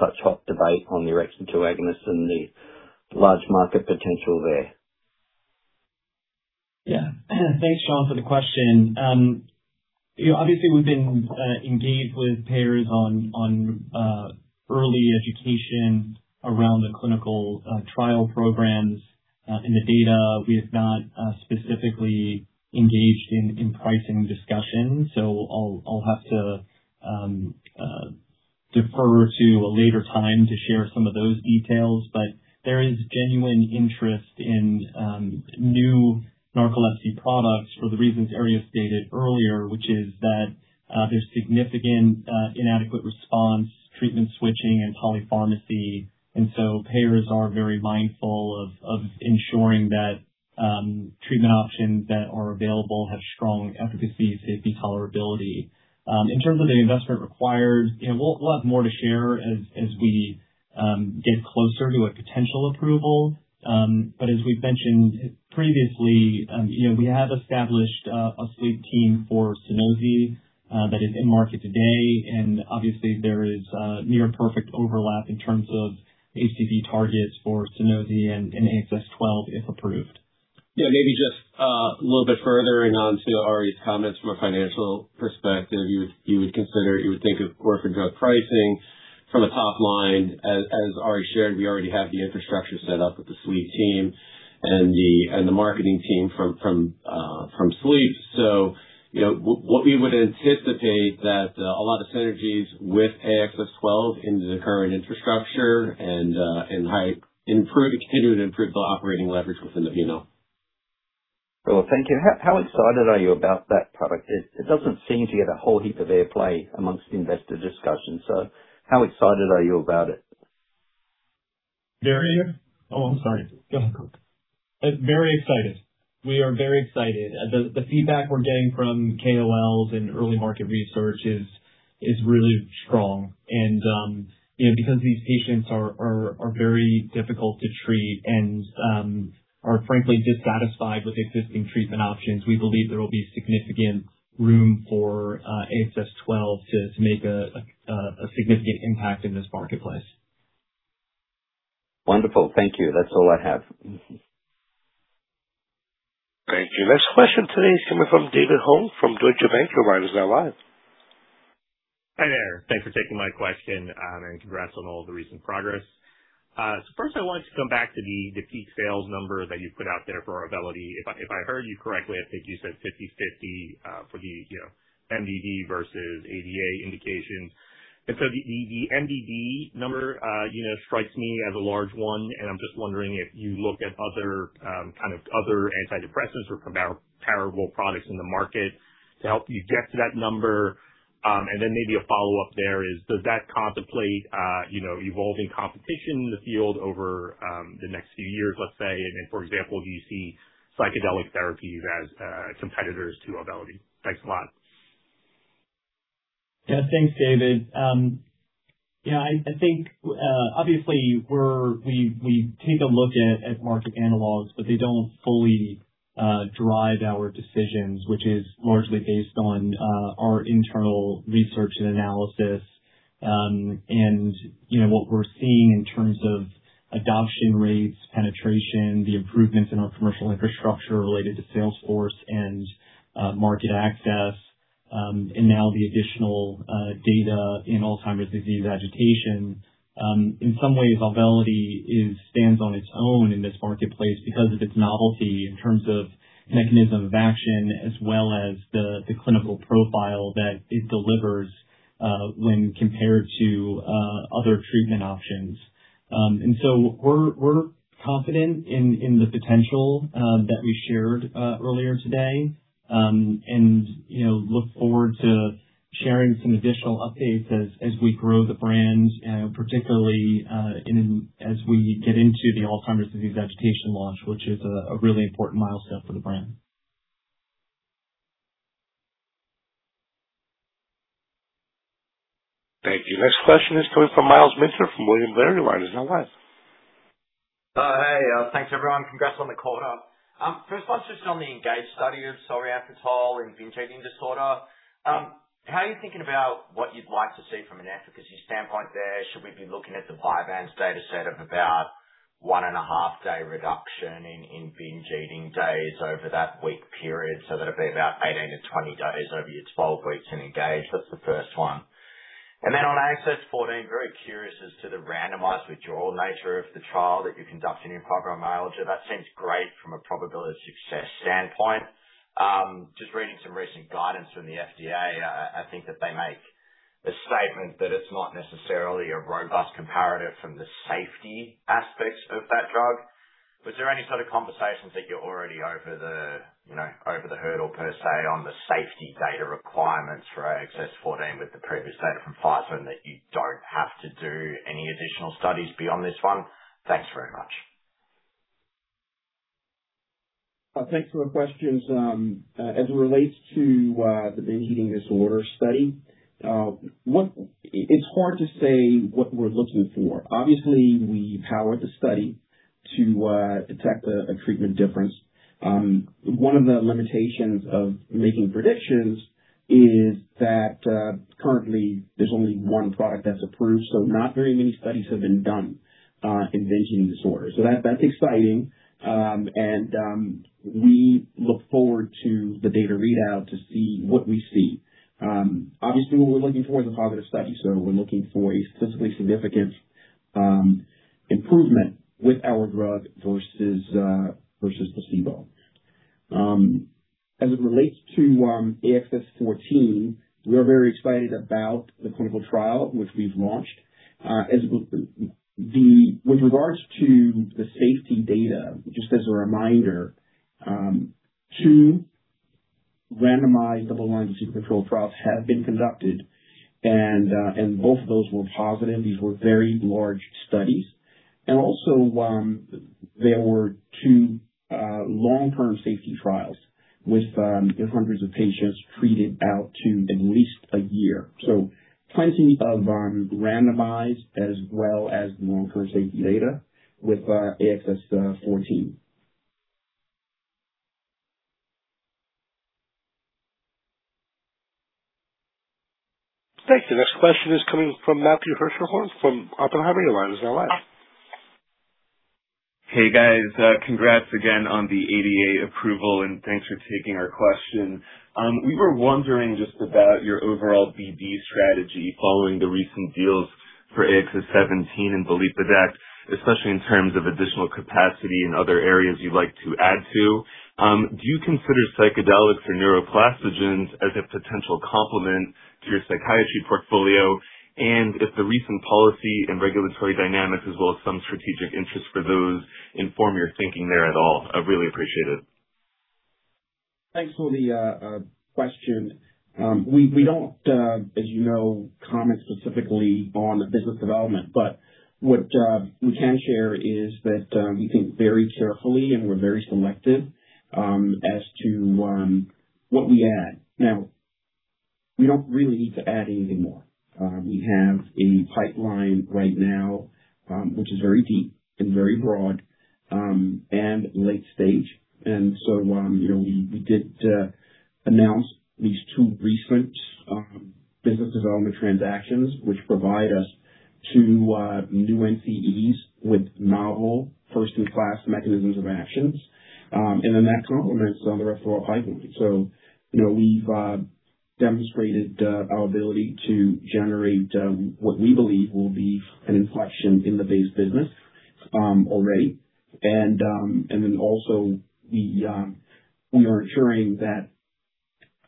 such hot debate on the orexin-2 agonist and the large market potential there? Yeah. Thanks, Sean, for the question. Obviously, we have been engaged with payers on early education around the clinical trial programs in the data. We have not specifically engaged in pricing discussions, so I will have to defer to a later time to share some of those details. There is genuine interest in new narcolepsy products for the reasons Ari stated earlier, which is that there is significant inadequate response, treatment switching, and polypharmacy. Payers are very mindful of ensuring that treatment options that are available have strong efficacy, safety, tolerability. In terms of the investment required, we will have more to share as we get closer to a potential approval. As we have mentioned previously we have established a sleep team for Sunosi that is in market today, and obviously there is near perfect overlap in terms of ACV targets for Sunosi and AXS-12 if approved. Yeah, maybe just a little bit furthering onto Ari's comments from a financial perspective. You would think of orphan drug pricing from a top line. As Ari shared, we already have the infrastructure set up with the sleep team and the marketing team from sleep. What we would anticipate that a lot of synergies with AXS-12 into the current infrastructure and continue to improve the operating leverage within Axsome. Well, thank you. How excited are you about that product? It does not seem to get a whole heap of airplay amongst investor discussions, so how excited are you about it? Marvin. Oh, I'm sorry. Go ahead. Very excited. We are very excited. The feedback we're getting from KOLs and early market research is really strong. Because these patients are very difficult to treat and are frankly dissatisfied with existing treatment options, we believe there will be significant room for AXS-12 to make a significant impact in this marketplace. Wonderful. Thank you. That's all I have. Thank you. Next question today is coming from David Hoang from Deutsche Bank. Your line is now live. Hi there. Thanks for taking my question. Congrats on all the recent progress. First I wanted to come back to the peak sales number that you put out there for Auvelity. If I heard you correctly, I think you said 50/50 for the MDD versus ADA indications. The MDD number strikes me as a large one, and I'm just wondering if you look at other kind of other antidepressants or comparable products in the market to help you get to that number. Maybe a follow-up there is, does that contemplate evolving competition in the field over the next few years, let's say? For example, do you see psychedelic therapies as competitors to Auvelity? Thanks a lot. Thanks, David. Obviously we take a look at market analogs, but they don't fully drive our decisions, which is largely based on our internal research and analysis. What we're seeing in terms of adoption rates, penetration, the improvements in our commercial infrastructure related to sales force and market access, and now the additional data in Alzheimer's disease agitation. In some ways, Auvelity stands on its own in this marketplace because of its novelty in terms of mechanism of action as well as the clinical profile that it delivers when compared to other treatment options. We're confident in the potential that we shared earlier today and look forward to sharing some additional updates as we grow the brand, particularly as we get into the Alzheimer's disease agitation launch, which is a really important milestone for the brand. Thank you. Next question is coming from Myles Minter from William Blair. Your line is now live. Thanks everyone. Congrats on the quarter. First one's just on the ENGAGE study of solriamfetol in binge eating disorder. How are you thinking about what you'd like to see from an efficacy standpoint there? Should we be looking at the VYVANSE data set of about one and a half day reduction in binge eating days over that week period, so that'd be about 18 to 20 days over your 12 weeks in ENGAGE. That's the first one. On AXS-14, very curious as to the randomized withdrawal nature of the trial that you're conducting in fibromyalgia. That seems great from a probability of success standpoint. Just reading some recent guidance from the FDA, I think that they make a statement that it's not necessarily a robust comparator from the safety aspects of that drug. Was there any sort of conversations that you're already over the hurdle, per se, on the safety data requirements for AXS-14 with the previous data from Pfizer and that you don't have to do any additional studies beyond this one? Thanks very much. Thanks for the questions. As it relates to the binge eating disorder study, it's hard to say what we're looking for. Obviously, we powered the study to detect a treatment difference. One of the limitations of making predictions is that currently there's only one product that's approved. Not very many studies have been done in binge eating disorder. That's exciting, and we look forward to the data readout to see what we see. Obviously, what we're looking for is a positive study. We're looking for a statistically significant improvement with our drug versus placebo. As it relates to AXS-14, we are very excited about the clinical trial which we've launched. With regards to the safety data, just as a reminder, two randomized double-blind placebo control trials have been conducted and both of those were positive. These were very large studies. Also, there were two long-term safety trials with hundreds of patients treated out to at least a year. Plenty of randomized as well as long-term safety data with AXS-14. Thank you. Next question is coming from Matthew Hershenhorn from Oppenheimer. Your line is now live. Hey, guys. Congrats again on the ADA approval, thanks for taking our question. We were wondering just about your overall BD strategy following the recent deals for AXS-17 and belinostat, especially in terms of additional capacity in other areas you'd like to add to. Do you consider psychedelics or neuroplastogens as a potential complement to your psychiatry portfolio? If the recent policy and regulatory dynamics, as well as some strategic interest for those inform your thinking there at all. I really appreciate it. Thanks for the question. We don't, as you know, comment specifically on the business development, but what we can share is that we think very carefully and we're very selective as to what we add. We don't really need to add anything more. We have a pipeline right now which is very deep and very broad, and late stage. We did announce these two recent business development transactions which provide us two new NCEs with novel first in class mechanisms of actions. That complements the rest of our pipeline. We've demonstrated our ability to generate what we believe will be an inflection in the base business already. Also we are ensuring that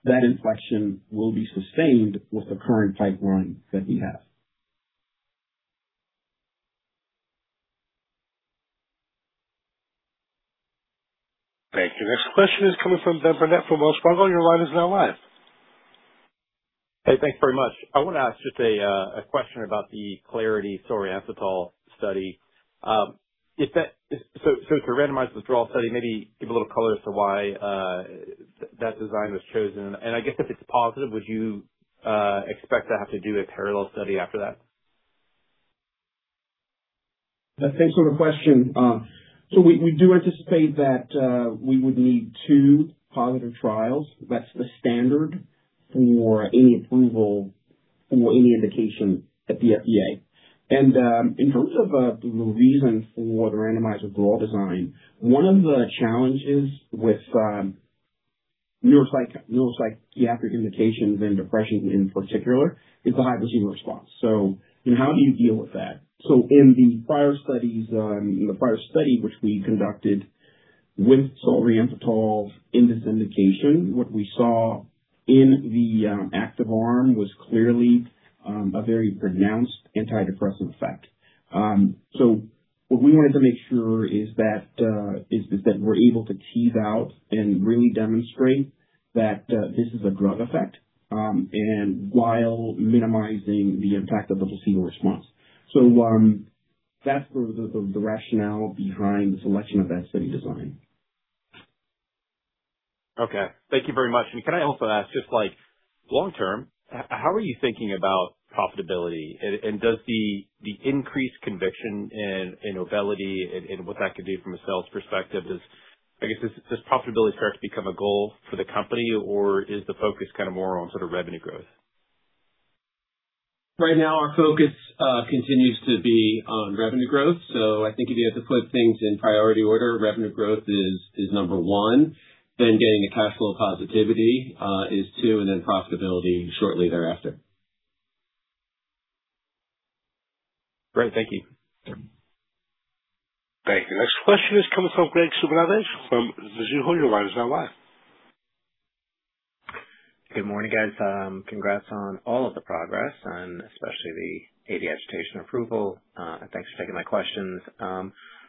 that inflection will be sustained with the current pipeline that we have. Thank you. Next question is coming from Benjamin Burnett from Wells Fargo. Your line is now live. Hey, thanks very much. I want to ask just a question about the CLARITY solriamfetol study. It's a randomized withdrawal study. Maybe give a little color as to why that design was chosen. I guess if it's positive, would you expect to have to do a parallel study after that? Thanks for the question. We do anticipate that we would need two positive trials. That's the standard for any approval for any indication at the FDA. In terms of the reason for the randomized withdrawal design, one of the challenges with neuropsychiatric indications and depression in particular is the placebo response. How do you deal with that? In the prior study which we conducted with solriamfetol in this indication, what we saw in the active arm was clearly a very pronounced antidepressant effect. What we wanted to make sure is that we're able to tease out and really demonstrate that this is a drug effect and while minimizing the impact of the placebo response. That's the rationale behind the selection of that study design. Okay. Thank you very much. Can I also ask, just long-term, how are you thinking about profitability? Does the increased conviction in Auvelity and what that could do from a sales perspective is, I guess, does profitability start to become a goal for the company? Or is the focus more on sort of revenue growth? Right now our focus continues to be on revenue growth. I think if you had to put things in priority order, revenue growth is number one, then getting to cash flow positivity is two, then profitability shortly thereafter. Great. Thank you. Thank you. Next question is coming from Graig Suvannavejh from Mizuho. Your line is now live. Good morning, guys. Congrats on all of the progress and especially the AD agitation approval. Thanks for taking my questions.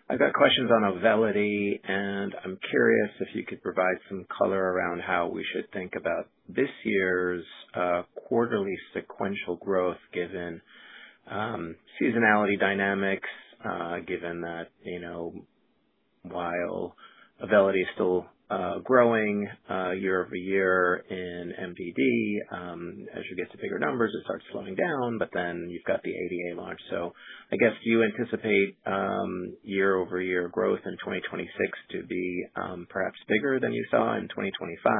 I've got questions on Auvelity, and I'm curious if you could provide some color around how we should think about this year's quarterly sequential growth given seasonality dynamics, given that, while Auvelity is still growing year-over-year in MDD, as you get to bigger numbers, it starts slowing down, you've got the ADA launch. I guess, do you anticipate year-over-year growth in 2026 to be perhaps bigger than you saw in 2025?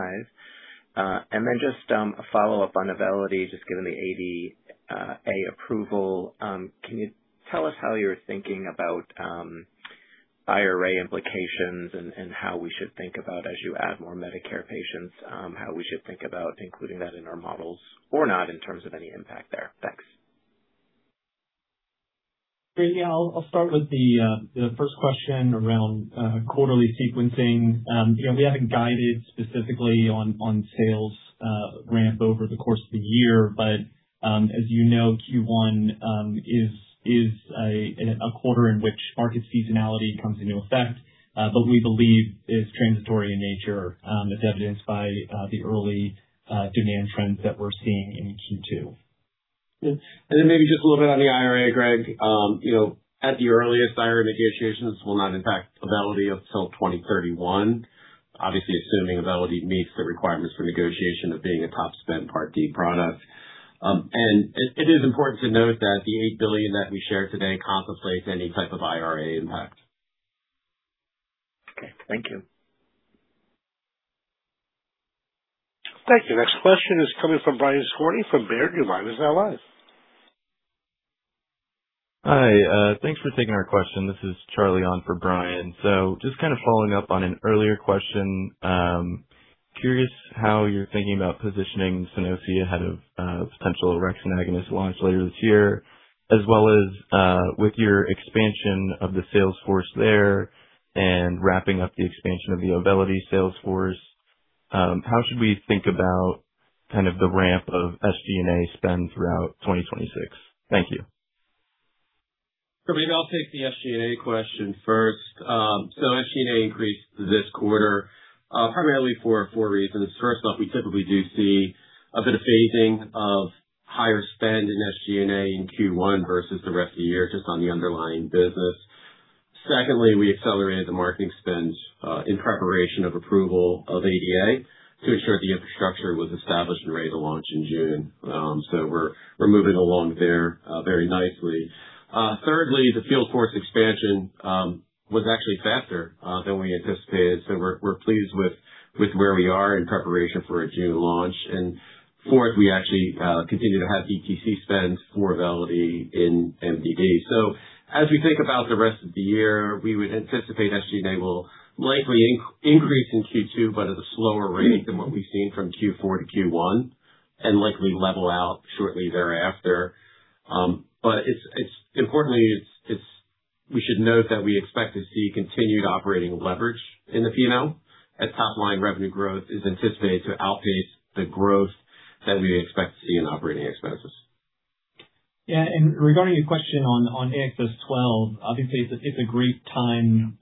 A follow-up on Auvelity, just given the ADA approval, can you tell us how you're thinking about IRA implications and how we should think about as you add more Medicare patients, how we should think about including that in our models or not in terms of any impact there? Thanks. Great. Yeah. I'll start with the first question around quarterly sequencing. We haven't guided specifically on sales ramp over the course of the year, but, as you know, Q1 is a quarter in which market seasonality comes into effect, but we believe is transitory in nature, as evidenced by the early demand trends that we're seeing in Q2. Maybe just a little bit on the IRA, Graig. At the earliest, IRA negotiations will not impact Auvelity until 2031, obviously assuming Auvelity meets the requirements for negotiation of being a top-spent Part D product. It is important to note that the $8 billion that we shared today contemplates any type of IRA impact. Okay. Thank you. Thank you. Next question is coming from Brian Skorney from Baird. Your line is now live. Hi. Thanks for taking our question. This is Charlie on for Brian. Just kind of following up on an earlier question. Curious how you're thinking about positioning Sunosi ahead of a potential orexin agonist launch later this year as well as, with your expansion of the sales force there and wrapping up the expansion of the Auvelity sales force, how should we think about kind of the ramp of SGA spend throughout 2026? Thank you. Maybe I'll take the SGA question first. SGA increased this quarter, primarily for four reasons. First off, we typically do see a bit of phasing of higher spend in SGA in Q1 versus the rest of the year just on the underlying business. Secondly, we accelerated the marketing spend in preparation of approval of Auvelity to ensure the infrastructure was established and ready to launch in June. We're moving along there very nicely. Thirdly, the field force expansion was actually faster than we anticipated, so we're pleased with where we are in preparation for a June launch. Fourth, we actually continue to have DTC spend for Auvelity in MDD. As we think about the rest of the year, we would anticipate SGA will likely increase in Q2, but at a slower rate than what we've seen from Q4 to Q1 and likely level out shortly thereafter. Importantly, we should note that we expect to see continued operating leverage in the P&L as top-line revenue growth is anticipated to outpace the growth that we expect to see in operating expenses. Regarding your question on AXS-12, obviously it's a great time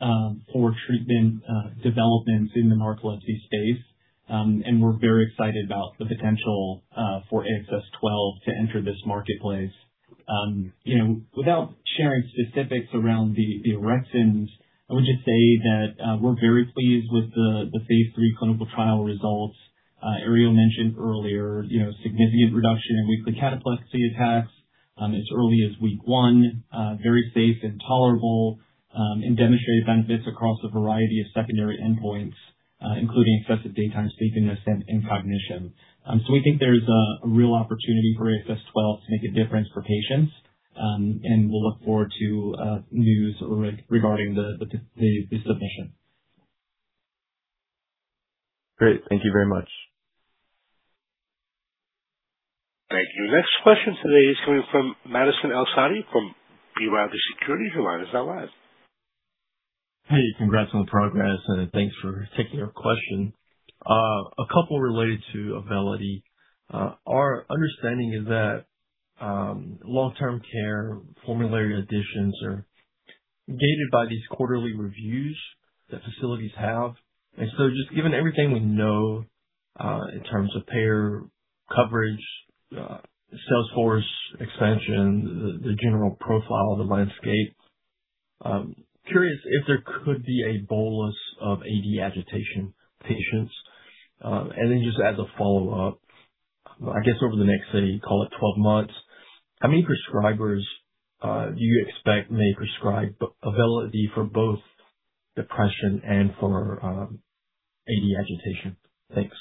for treatment development in the narcolepsy space. We're very excited about the potential for AXS-12 to enter this marketplace. Without sharing specifics around the orexins, I would just say that we're very pleased with the phase III clinical trial results. Ari mentioned earlier significant reduction in weekly cataplexy attacks as early as week 1, very safe and tolerable, and demonstrated benefits across a variety of secondary endpoints, including excessive daytime sleepiness and cognition. We think there's a real opportunity for AXS-12 to make a difference for patients, and we'll look forward to news regarding the submission. Great. Thank you very much. Thank you. Next question today is coming from Madison El-Saadi from B. Riley Securities. Your line is now live. Hey, congrats on the progress, and thanks for taking our question. A couple related to Auvelity. Our understanding is that long-term care formulary additions are gated by these quarterly reviews that facilities have. Just given everything we know, in terms of payer coverage, sales force expansion, the general profile of the landscape I am curious if there could be a bolus of AD agitation patients. Just as a follow-up, I guess over the next, say, call it 12 months, how many prescribers do you expect may prescribe Auvelity for both depression and for AD agitation? Thanks.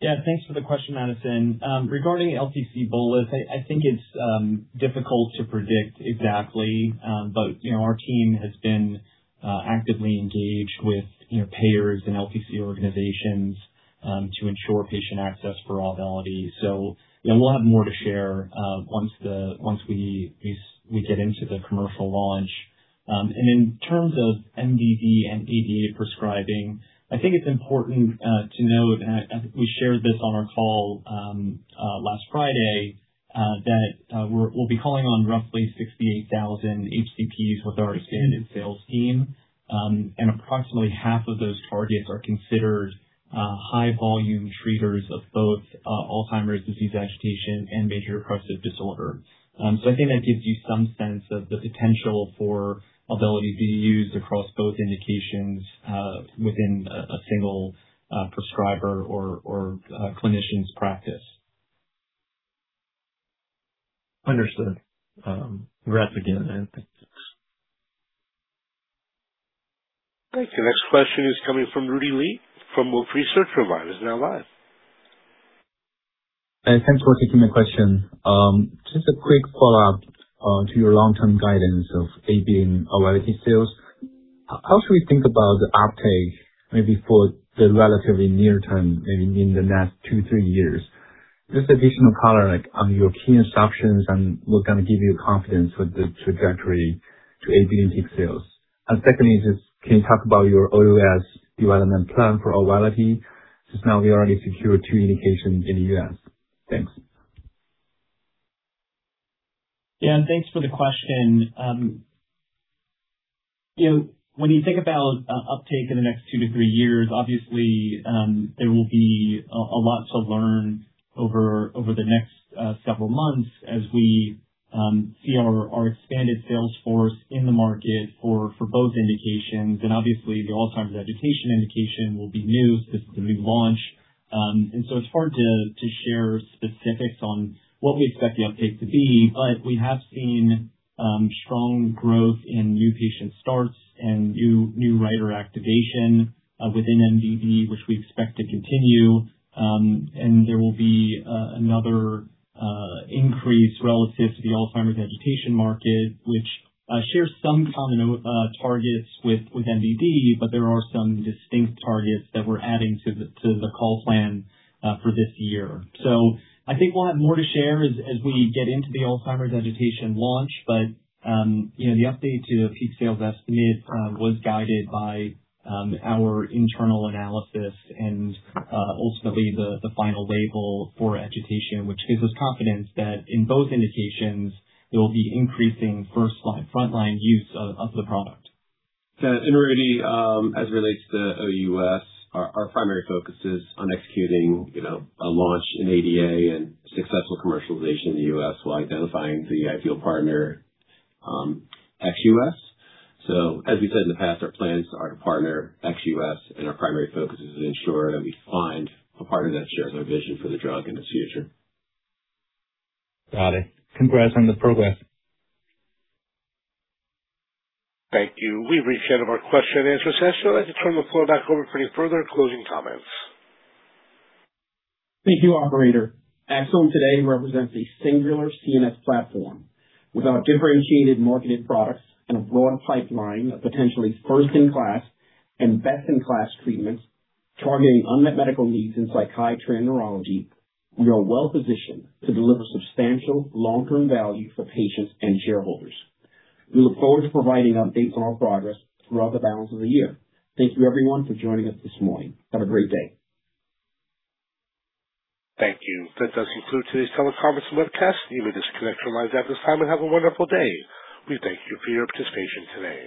Thanks for the question, Madison. Regarding LTC bolus, I think it's difficult to predict exactly. Our team has been actively engaged with payers and LTC organizations to ensure patient access for Auvelity. Yeah, we'll have more to share once we get into the commercial launch. In terms of MDD and ADA prescribing, I think it's important to note, I think we shared this on our call last Friday, that we'll be calling on roughly 68,000 HCPs with our expanded sales team and approximately half of those targets are considered high volume treaters of both Alzheimer's disease agitation and major depressive disorder. I think that gives you some sense of the potential for Auvelity being used across both indications within a single prescriber or clinician's practice. Understood. Great. Again, I think. Thanks. Thank you. Next question is coming from Rudy Li, from Wolfe Research. Your line is now live. Thanks for taking my question. Just a quick follow-up to your long-term guidance of AD and Auvelity sales. How should we think about the uptake maybe for the relatively near term, maybe in the next two, three years? Just additional color on your key assumptions and what's going to give you confidence with the trajectory to AD and peak sales. Secondly, just can you talk about your OUS development plan for Auvelity since now we already secured two indications in the U.S.? Thanks. Yeah, thanks for the question. When you think about uptake in the next two to three years, obviously, there will be a lot to learn over the next several months as we see our expanded sales force in the market for both indications. Obviously the Alzheimer's agitation indication will be new since it's a new launch. It's hard to share specifics on what we expect the uptake to be, but we have seen strong growth in new patient starts and new writer activation within MDD, which we expect to continue. There will be another increase relative to the Alzheimer's agitation market, which shares some common targets with MDD, but there are some distinct targets that we're adding to the call plan for this year. I think we'll have more to share as we get into the Alzheimer's agitation launch. The update to the peak sales estimate was guided by our internal analysis and ultimately the final label for agitation, which gives us confidence that in both indications, there will be increasing first-line, frontline use of the product. Yeah. Rudy, as it relates to OUS, our primary focus is on executing a launch in ADA and successful commercialization in the U.S. while identifying the ideal partner ex-U.S. As we said in the past, our plans are to partner ex-U.S. and our primary focus is to ensure that we find a partner that shares our vision for the drug in this region. Got it. Congrats on the progress. Thank you. We've reached the end of our question and answer session. I'd like to turn the floor back over for any further closing comments. Thank you, operator. Axsome today represents a singular CNS platform with our differentiated marketed products and a broad pipeline of potentially first-in-class and best-in-class treatments targeting unmet medical needs in psychiatry and neurology. We are well-positioned to deliver substantial long-term value for patients and shareholders. We look forward to providing updates on our progress throughout the balance of the year. Thank you everyone for joining us this morning. Have a great day. Thank you. That does conclude today's teleconference and webcast. You may disconnect your lines at this time and have a wonderful day. We thank you for your participation today.